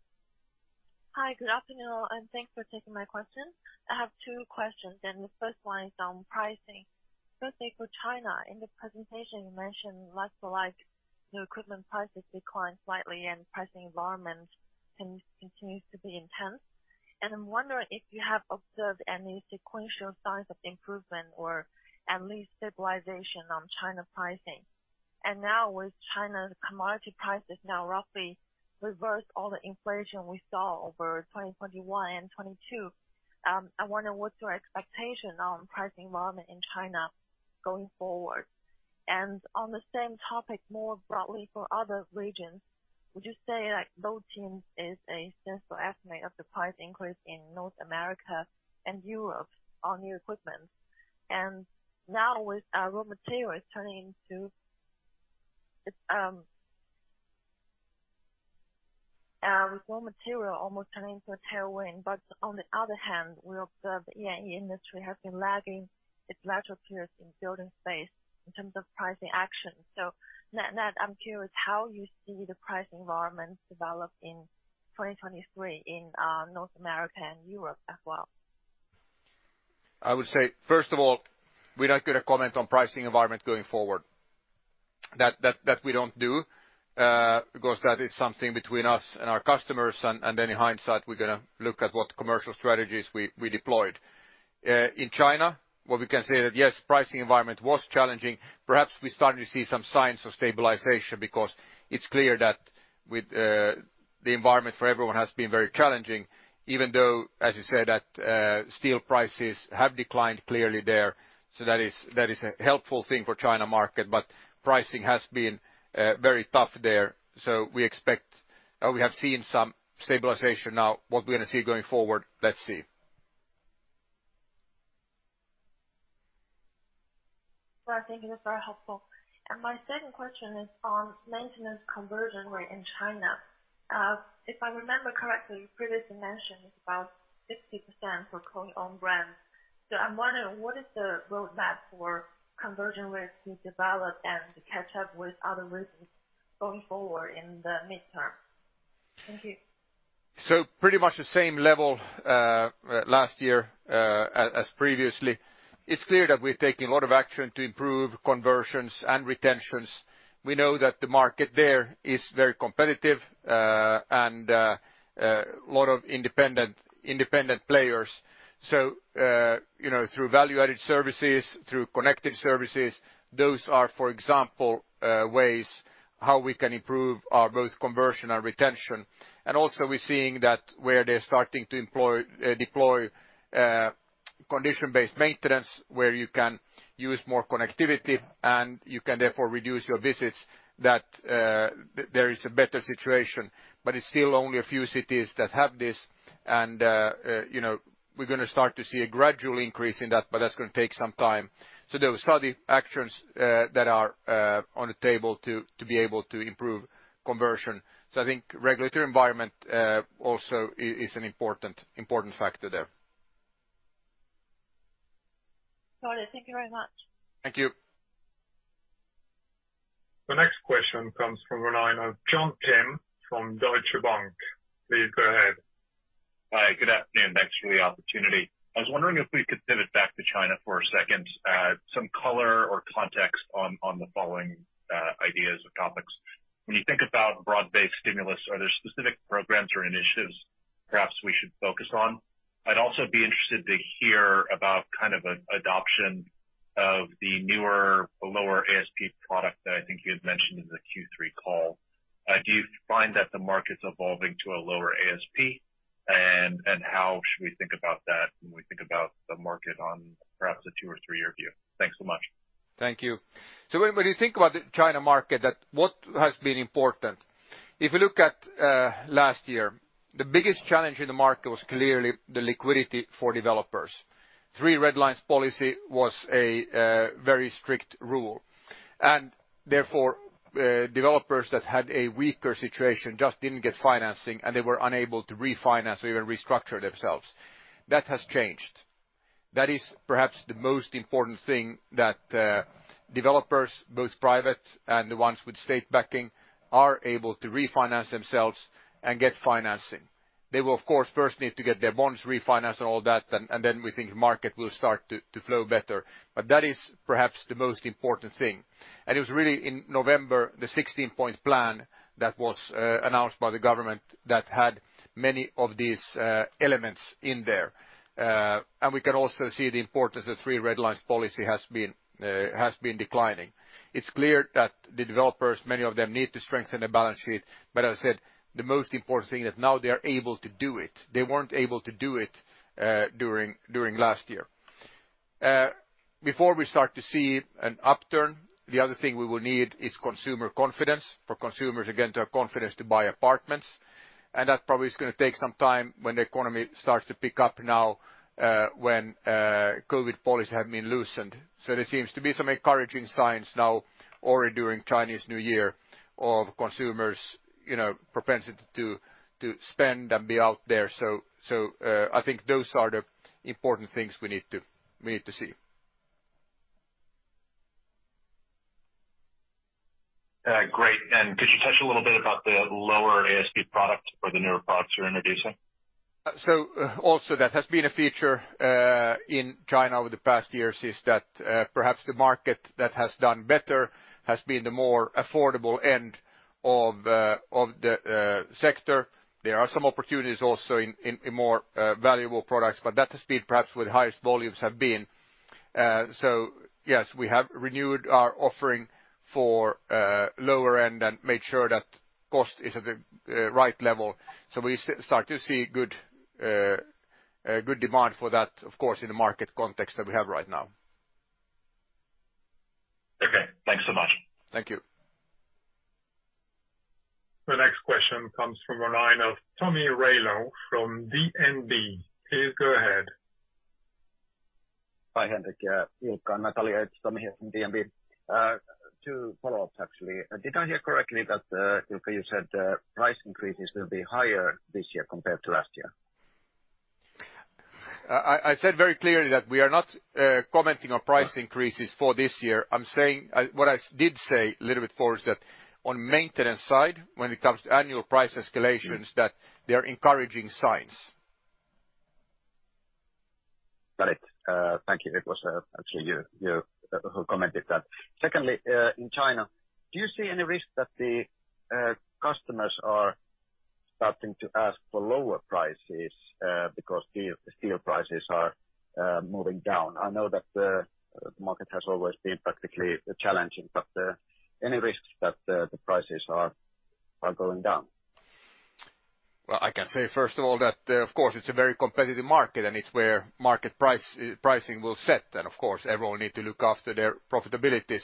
Hi, good afternoon, thanks for taking my question. I have 2 questions, the first one is on pricing. Firstly, for China, in the presentation you mentioned like for like, new equipment prices declined slightly and pricing environment continues to be intense. I'm wondering if you have observed any sequential signs of improvement or at least stabilization on China pricing. Now with China's commodity prices now roughly reversed all the inflation we saw over 2021 and 2022, I wonder what's your expectation on pricing environment in China going forward? On the same topic, more broadly for other regions, would you say that low teens is a sensible estimate of the price increase in North America and Europe on new equipment? Now with raw material almost turning into a tailwind. On the other hand, we observe E&E industry has been lagging its larger peers in building space in terms of pricing action. Net-net, I'm curious how you see the pricing environment develop in 2023 in North America and Europe as well. I would say, first of all, we're not going to comment on pricing environment going forward. That we don't do, because that is something between us and our customers, and then in hindsight, we're gonna look at what commercial strategies we deployed. In China, what we can say that, yes, pricing environment was challenging. Perhaps we're starting to see some signs of stabilization because it's clear that with the environment for everyone has been very challenging, even though, as you said, that steel prices have declined clearly there. That is a helpful thing for China market, but pricing has been very tough there. We expect. We have seen some stabilization now. What we're gonna see going forward, let's see. Well, I think it was very helpful. my second question is on maintenance conversion rate in China. if I remember correctly, you previously mentioned it's about 60% for KONE own brands. I'm wondering what is the roadmap for conversion rates to develop and to catch up with other regions going forward in the midterm? Thank you. Pretty much the same level last year as previously. It's clear that we're taking a lot of action to improve conversions and retentions. We know that the market there is very competitive, and a lot of independent players. You know, through value-added services, through Connected Services, those are, for example, ways how we can improve our both conversion and retention. Also we're seeing that where they're starting to deploy condition-based maintenance, where you can use more connectivity and you can therefore reduce your visits, that there is a better situation. It's still only a few cities that have this and, you know, we're gonna start to see a gradual increase in that, but that's gonna take some time. Those are the actions that are on the table to be able to improve conversion. I think regulatory environment also is an important factor there. Got it. Thank you very much. Thank you. The next question comes from the line of Lars Brorson from Deutsche Bank. Please go ahead. Hi, good afternoon. Thanks for the opportunity. I was wondering if we could pivot back to China for a second. Some color or context on the following ideas or topics. When you think about broad-based stimulus, are there specific programs or initiatives perhaps we should focus on? I'd also be interested to hear about kind of an adoption of the newer, lower ASP product that I think you had mentioned in the Q3 call. Do you find that the market's evolving to a lower ASP? And how should we think about that when we think about the market on perhaps a 2 or 3-year view? Thanks so much. Thank you. When you think about the China market, that what has been important? If you look at last year, the biggest challenge in the market was clearly the liquidity for developers. Three Red Lines policy was a very strict rule. Therefore, developers that had a weaker situation just didn't get financing, and they were unable to refinance or even restructure themselves. That has changed. That is perhaps the most important thing, that developers, both private and the ones with state backing, are able to refinance themselves and get financing. They will of course first need to get their bonds refinanced and all that, and then we think market will start to flow better. That is perhaps the most important thing. It was really in November, the 16-point plan that was announced by the government that had many of these elements in there. We can also see the importance of Three Red Lines policy has been declining. It's clear that the developers, many of them need to strengthen their balance sheet. As I said, the most important thing is now they are able to do it. They weren't able to do it during last year. Before we start to see an upturn, the other thing we will need is consumer confidence. For consumers again to have confidence to buy apartments. That probably is gonna take some time when the economy starts to pick up now, when COVID policies have been loosened. There seems to be some encouraging signs now or during Chinese New Year of consumers, you know, propensity to spend and be out there. I think those are the important things we need to see. Great. Could you touch a little bit about the lower ASP product or the newer products you're introducing? Also that has been a feature in China over the past years, is that perhaps the market that has done better has been the more affordable end of the sector. There are some opportunities also in more valuable products, but that's the speed perhaps with highest volumes have been. Yes, we have renewed our offering for lower end and made sure that cost is at the right level. We start to see good demand for that, of course, in the market context that we have right now. Okay. Thanks so much. Thank you. The next question comes from a line of Tomi Railo from DNB. Please go ahead. Hi, Henrik, Ilkka and Natalia. It's Tommy here from DNB. two follow-ups, actually. Did I hear correctly that, Ilkka, you said that price increases will be higher this year compared to last year? I said very clearly that we are not commenting on price increases for this year. I'm saying. What I did say a little bit forward is that on maintenance side, when it comes to annual price escalations. Mm. that there are encouraging signs. Got it. Thank you. It was, actually you who commented that. Secondly, in China, do you see any risk that the customers are starting to ask for lower prices, because steel prices are moving down? I know that the market has always been particularly challenging, but any risks that the prices are going down? Well, I can say first of all that, of course, it's a very competitive market and it's where market price, pricing will set. Of course, everyone needs to look after their profitability.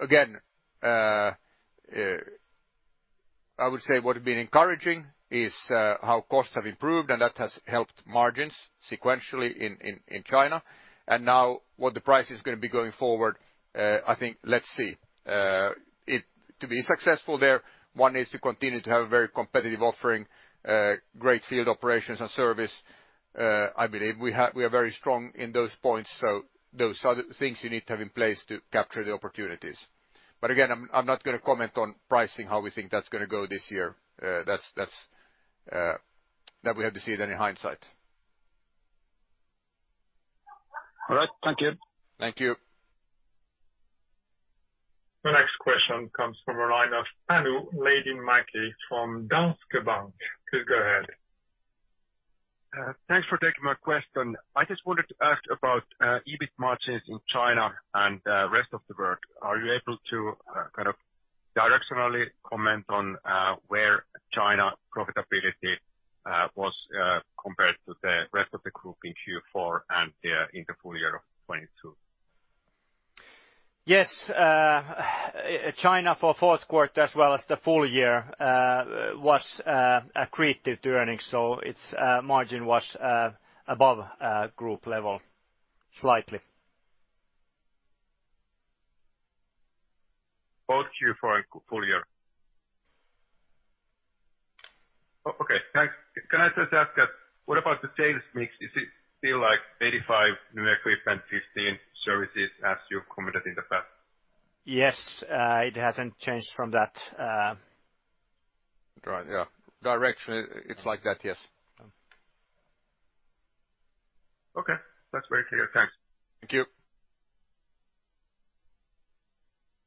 Again, I would say what has been encouraging is how costs have improved, and that has helped margins sequentially in China. Now what the price is gonna be going forward, I think let's see. To be successful there, one needs to continue to have a very competitive offering, great field operations and service. I believe we are very strong in those points, so those are the things you need to have in place to capture the opportunities. Again, I'm not gonna comment on pricing, how we think that's gonna go this year. That's. That we have to see it in hindsight. All right. Thank you. Thank you. The next question comes from a line of Panu Laitinmäki from Danske Bank. Please go ahead. Thanks for taking my question. I just wanted to ask about EBIT margins in China and rest of the world. Are you able to kind of directionally comment on where China profitability was compared to the rest of the group in Q4 and in the full year of 2022? Yes. China for Q4 as well as the full year was accretive to earnings. Its margin was above group level slightly. Both Q4 and full year. Okay, thanks. Can I just ask, what about the sales mix? Is it still like 85 new equipment, 15 services as you've commented in the past? Yes. it hasn't changed from that, Right. Yeah. Directionally, it's like that. Yes. Okay. That's very clear. Thanks. Thank you.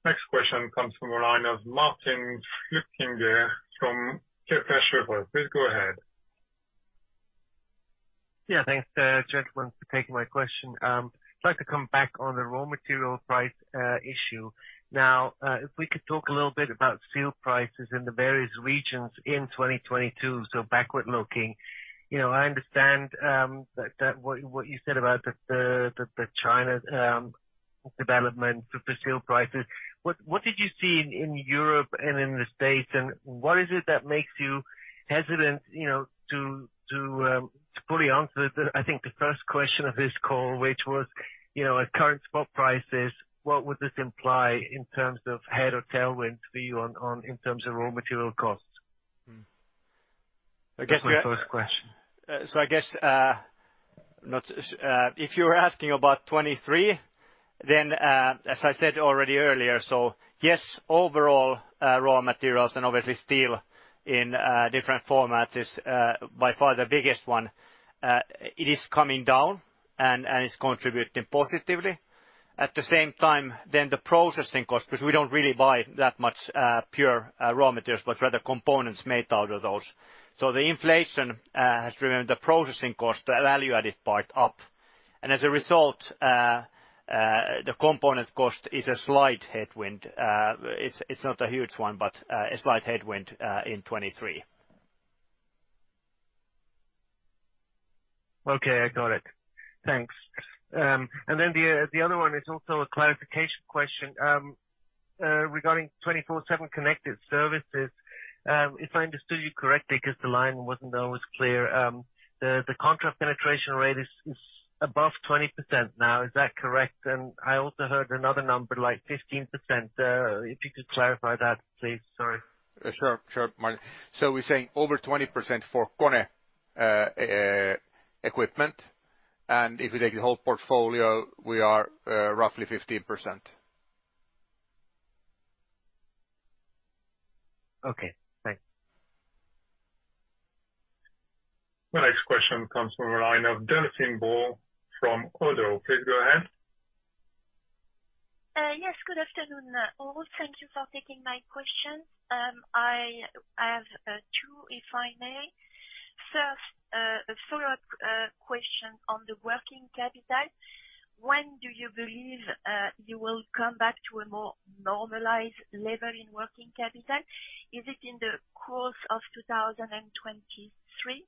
Next question comes from a line of Martin Flueckiger from Kepler Cheuvreux. Please go ahead. Yeah. Thanks, gentlemen, for taking my question. I'd like to come back on the raw material price issue. Now, if we could talk a little bit about steel prices in the various regions in 2022, so backward-looking. You know, I understand what you said about the China's development for the steel prices. What did you see in Europe and in the States? What is it that makes you hesitant, you know, to fully answer the, I think the first question of this call, which was, you know, at current spot prices, what would this imply in terms of head or tailwind for you in terms of raw material costs? I guess. That's my first question. I guess if you're asking about 2023, as I said already earlier, yes, overall, raw materials and obviously steel in different formats is by far the biggest one. It is coming down and it's contributing positively. At the same time, the processing cost, because we don't really buy that much pure raw materials, but rather components made out of those. The inflation has driven the processing cost, the value-added part up. As a result, the component cost is a slight headwind. It's not a huge one, but a slight headwind in 2023. Okay, I got it. Thanks. The other one is also a clarification question. Regarding 24/7 Connected Services, if I understood you correctly because the line wasn't always clear, the contract penetration rate is above 20% now. Is that correct? I also heard another number, like 15%. If you could clarify that, please. Sorry. Sure. Sure, Marty. We're saying over 20% for KONE equipment. If you take the whole portfolio, we are roughly 15%. Okay, thanks. The next question comes from a line of Delphine Brault from Oddo. Please go ahead. Yes, good afternoon all. Thank you for taking my question. I have two if I may. First, a follow-up question on the working capital. When do you believe you will come back to a more normalized level in working capital? Is it in the course of 2023?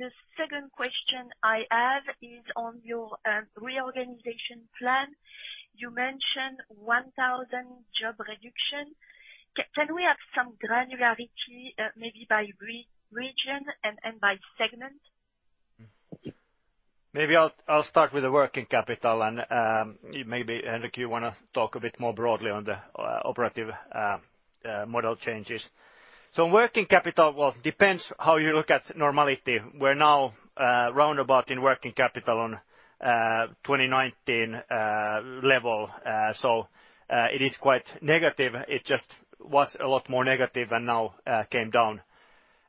The second question I have is on your reorganization plan. You mentioned 1,000 job reduction. Can we have some granularity, maybe by region and by segment? Maybe I'll start with the working capital and maybe Henrik, you wanna talk a bit more broadly on the operative model changes. Working capital, well, depends how you look at normality. We're now roundabout in working capital on 2019 level. It is quite negative. It just was a lot more negative and now came down.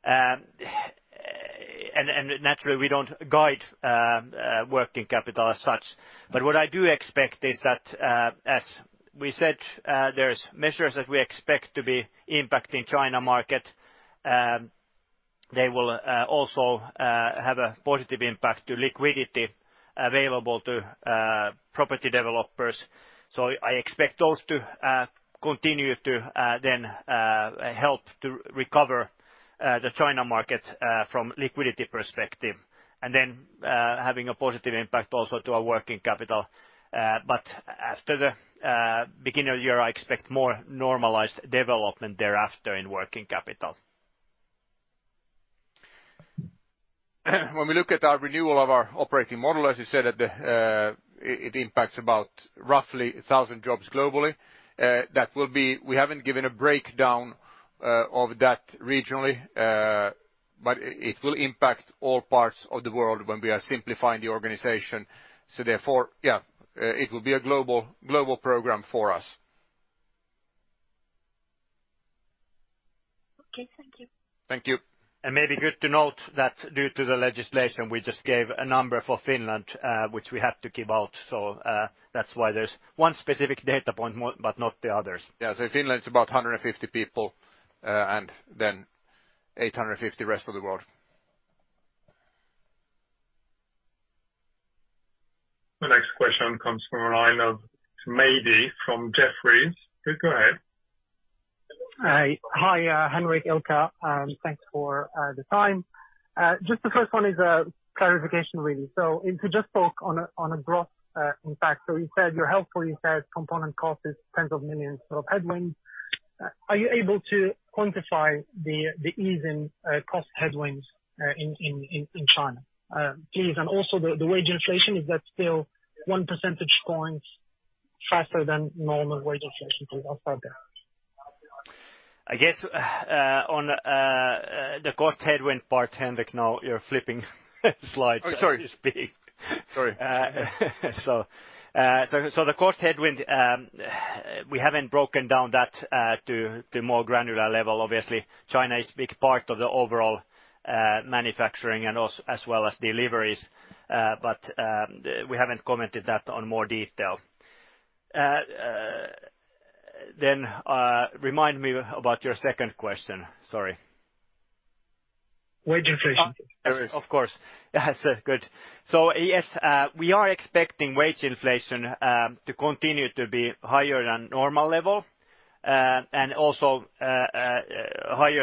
And naturally, we don't guide working capital as such. What I do expect is that, as we said, there's measures that we expect to be impacting China market. They will also have a positive impact to liquidity available to property developers. I expect those to continue to then help to recover the China market from liquidity perspective, and then having a positive impact also to our working capital. After the beginner year, I expect more normalized development thereafter in working capital. When we look at our renewal of our operating model, as you said at the, it impacts about roughly 1,000 jobs globally. We haven't given a breakdown of that regionally, but it will impact all parts of the world when we are simplifying the organization. Therefore, yeah, it will be a global program for us. Okay, thank you. Thank you. Maybe good to note that due to the legislation, we just gave a number for Finland, which we have to give out. That's why there's one specific data point but not the others. Yeah. Finland's about 150 people, 850 rest of the world. The next question comes from a line of Andre Kukhnin from Jefferies. Please go ahead. Hi, Henrik, Ilkka. Thanks for the time. Just the first one is a clarification really. If you just talk on a, on a gross impact. You said you're helpful, you said component cost is tens of millions EUR of headwinds. Are you able to quantify the ease in cost headwinds in China? Please, and also the wage inflation, is that still 1 percentage point faster than normal wage inflation please? I'll start there. I guess, on, the cost headwind part, Henrik, now you're flipping slides- Oh, sorry. as you speak. Sorry. The cost headwind, we haven't broken down that to more granular level. Obviously, China is big part of the overall manufacturing and also as well as deliveries. We haven't commented that on more detail. Remind me about your second question, sorry. Wage inflation. Of course. That's good. Yes, we are expecting wage inflation to continue to be higher than normal level, and also over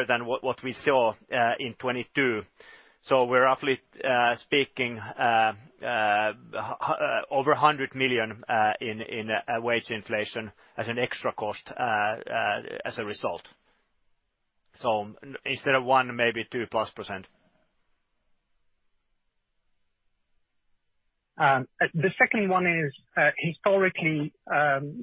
EUR 100 million in wage inflation as an extra cost as a result. Instead of 1, maybe 2+%. The second one is, historically,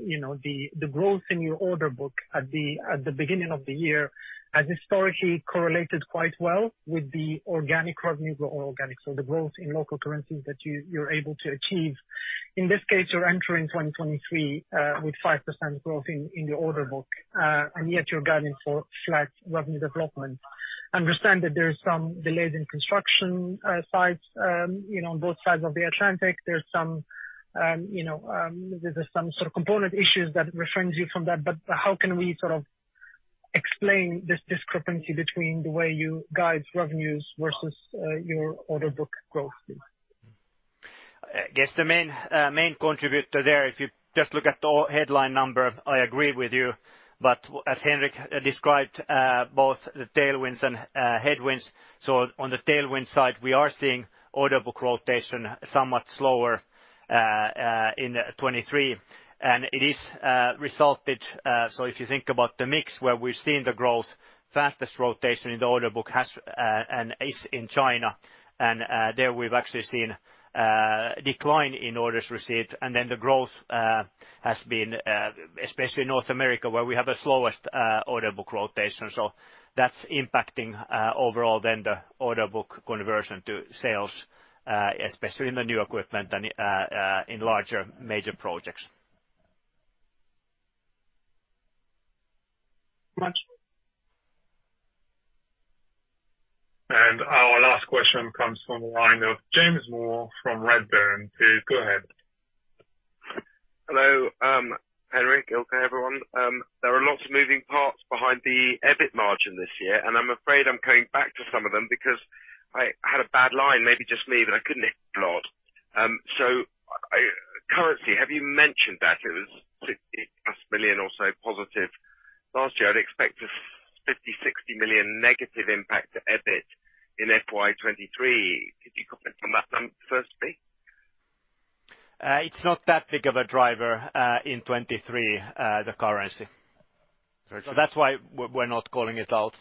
you know, the growth in your order book at the beginning of the year has historically correlated quite well with the organic revenue or organic, so the growth in local currencies that you're able to achieve. In this case, you're entering 2023 with 5% growth in your order book. Yet you're guiding for flat revenue development. Understand that there's some delays in construction sites, you know, on both sides of the Atlantic. There's some, you know, there's some sort of component issues that refrains you from that. How can we sort of explain this discrepancy between the way you guide revenues versus your order book growth? I guess the main main contributor there, if you just look at the headline number, I agree with you. As Henrik described, both the tailwinds and headwinds. On the tailwind side, we are seeing order book rotation somewhat slower in 23. It is resulted, so if you think about the mix where we're seeing the growth, fastest rotation in the order book has and is in China, and there we've actually seen decline in orders received. The growth has been especially in North America, where we have the slowest order book rotation. That's impacting overall then the order book conversion to sales, especially in the new equipment and in larger major projects. Thank you. Our last question comes from the line of James Moore from Redburn. Please go ahead. Hello, Henrik, Ilkka, everyone. There are lots of moving parts behind the EBIT margin this year, I'm afraid I'm coming back to some of them because I had a bad line, maybe just me, but I couldn't hear a lot. Currency, have you mentioned that it was 60+ million or so positive last year, I'd expect a 50-60 million negative impact to EBIT in FY 23. Could you comment on that number, firstly? It's not that big of a driver, in 23, the currency. That's why we're not calling it out.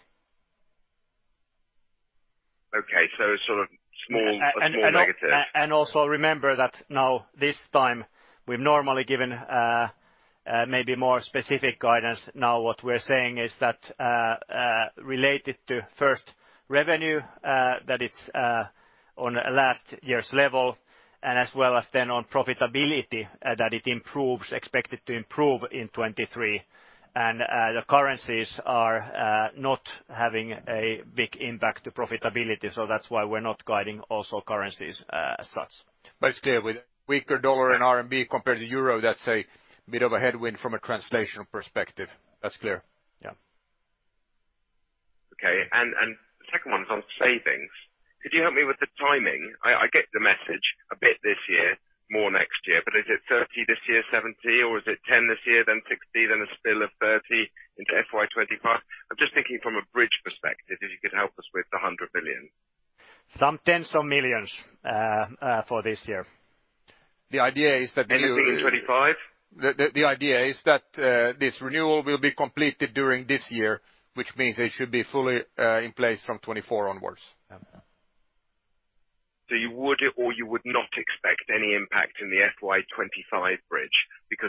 Okay. Sort of small, a small negative. Also remember that now this time we've normally given maybe more specific guidance. Now what we're saying is that related to first revenue, that it's on last year's level, and as well as then on profitability, that it improves, expected to improve in 2023. The currencies are not having a big impact to profitability, so that's why we're not guiding also currencies as such. It's clear with weaker dollar and RMB compared to euro, that's a bit of a headwind from a translational perspective. That's clear. Yeah. Okay. The second one is on savings. Could you help me with the timing? I get the message a bit this year, more next year, but is it 30 this year, 70? Is it 10 this year, then 60, then a spill of 30 into FY 2025? I'm just thinking from a bridge perspective, if you could help us with the 100 million. Some EUR tens of millions, for this year. The idea is that. Anything in 25? The idea is that this renewal will be completed during this year, which means it should be fully in place from 2024 onwards. Yeah. You would or you would not expect any impact in the FY 2025 bridge?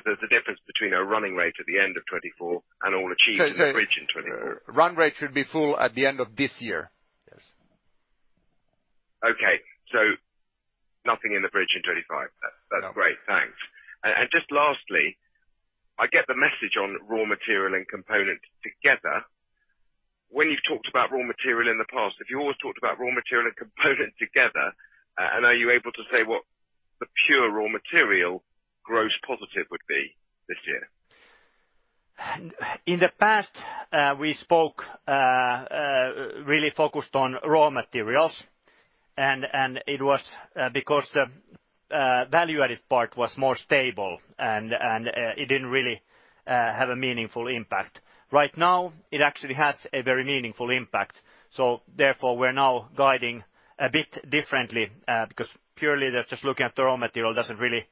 There's a difference between a running rate at the end of 2024 and all achieved in the bridge in 2025. Run rate should be full at the end of this year. Yes. Okay. nothing in the bridge in 25. No. That's great. Thanks. Just lastly, I get the message on raw material and component together. When you've talked about raw material in the past, have you always talked about raw material and component together? Are you able to say what the pure raw material gross positive would be this year? In the past, we spoke, really focused on raw materials, and it was because the value-added part was more stable and it didn't really have a meaningful impact. Right now, it actually has a very meaningful impact. Therefore, we're now guiding a bit differently, because purely just looking at the raw material doesn't really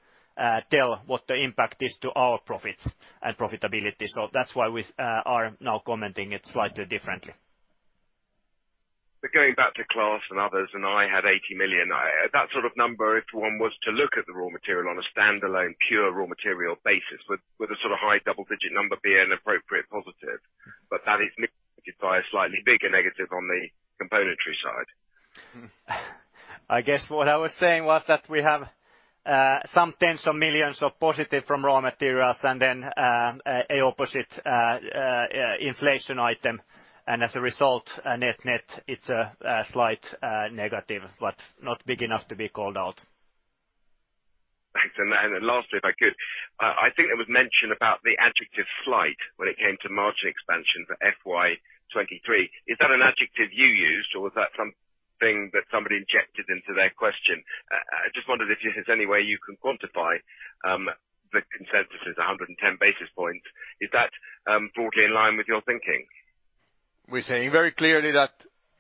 tell what the impact is to our profits and profitability. That's why we are now commenting it slightly differently. Going back to Klas and others, and I had 80 million, that sort of number, if one was to look at the raw material on a standalone pure raw material basis with a sort of high double-digit number being an appropriate positive, but that is mitigated by a slightly bigger negative on the componentry side. I guess what I was saying was that we have some EUR tens of millions of positive from raw materials and then a opposite inflation item. As a result, net-net, it's a slight negative, but not big enough to be called out. Thanks. Then lastly, if I could, I think it was mentioned about the adjective slight when it came to margin expansion for FY 2023. Is that an adjective you used or was that something that somebody injected into their question? I just wondered if there's any way you can quantify. The consensus is 110 basis points. Is that broadly in line with your thinking? We're saying very clearly that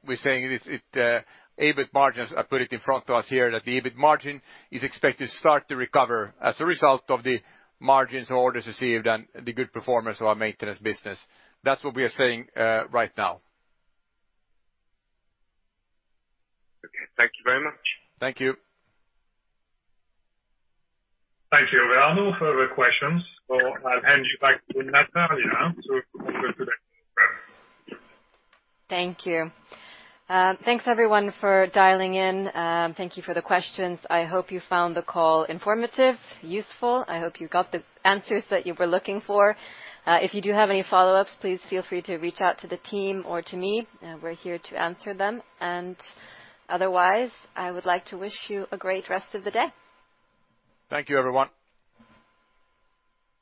we're saying EBIT margins are put in front of us here, that the EBIT margin is expected to start to recover as a result of the margins and orders received and the good performance of our maintenance business. That's what we are saying right now. Okay. Thank you very much. Thank you. Thank you. There are no further questions, so I'll hand you back to Natalia now so she can close today's call. Thank you. Thanks everyone for dialing in. Thank you for the questions. I hope you found the call informative, useful. I hope you got the answers that you were looking for. If you do have any follow-ups, please feel free to reach out to the team or to me. We're here to answer them. Otherwise, I would like to wish you a great rest of the day. Thank you, everyone.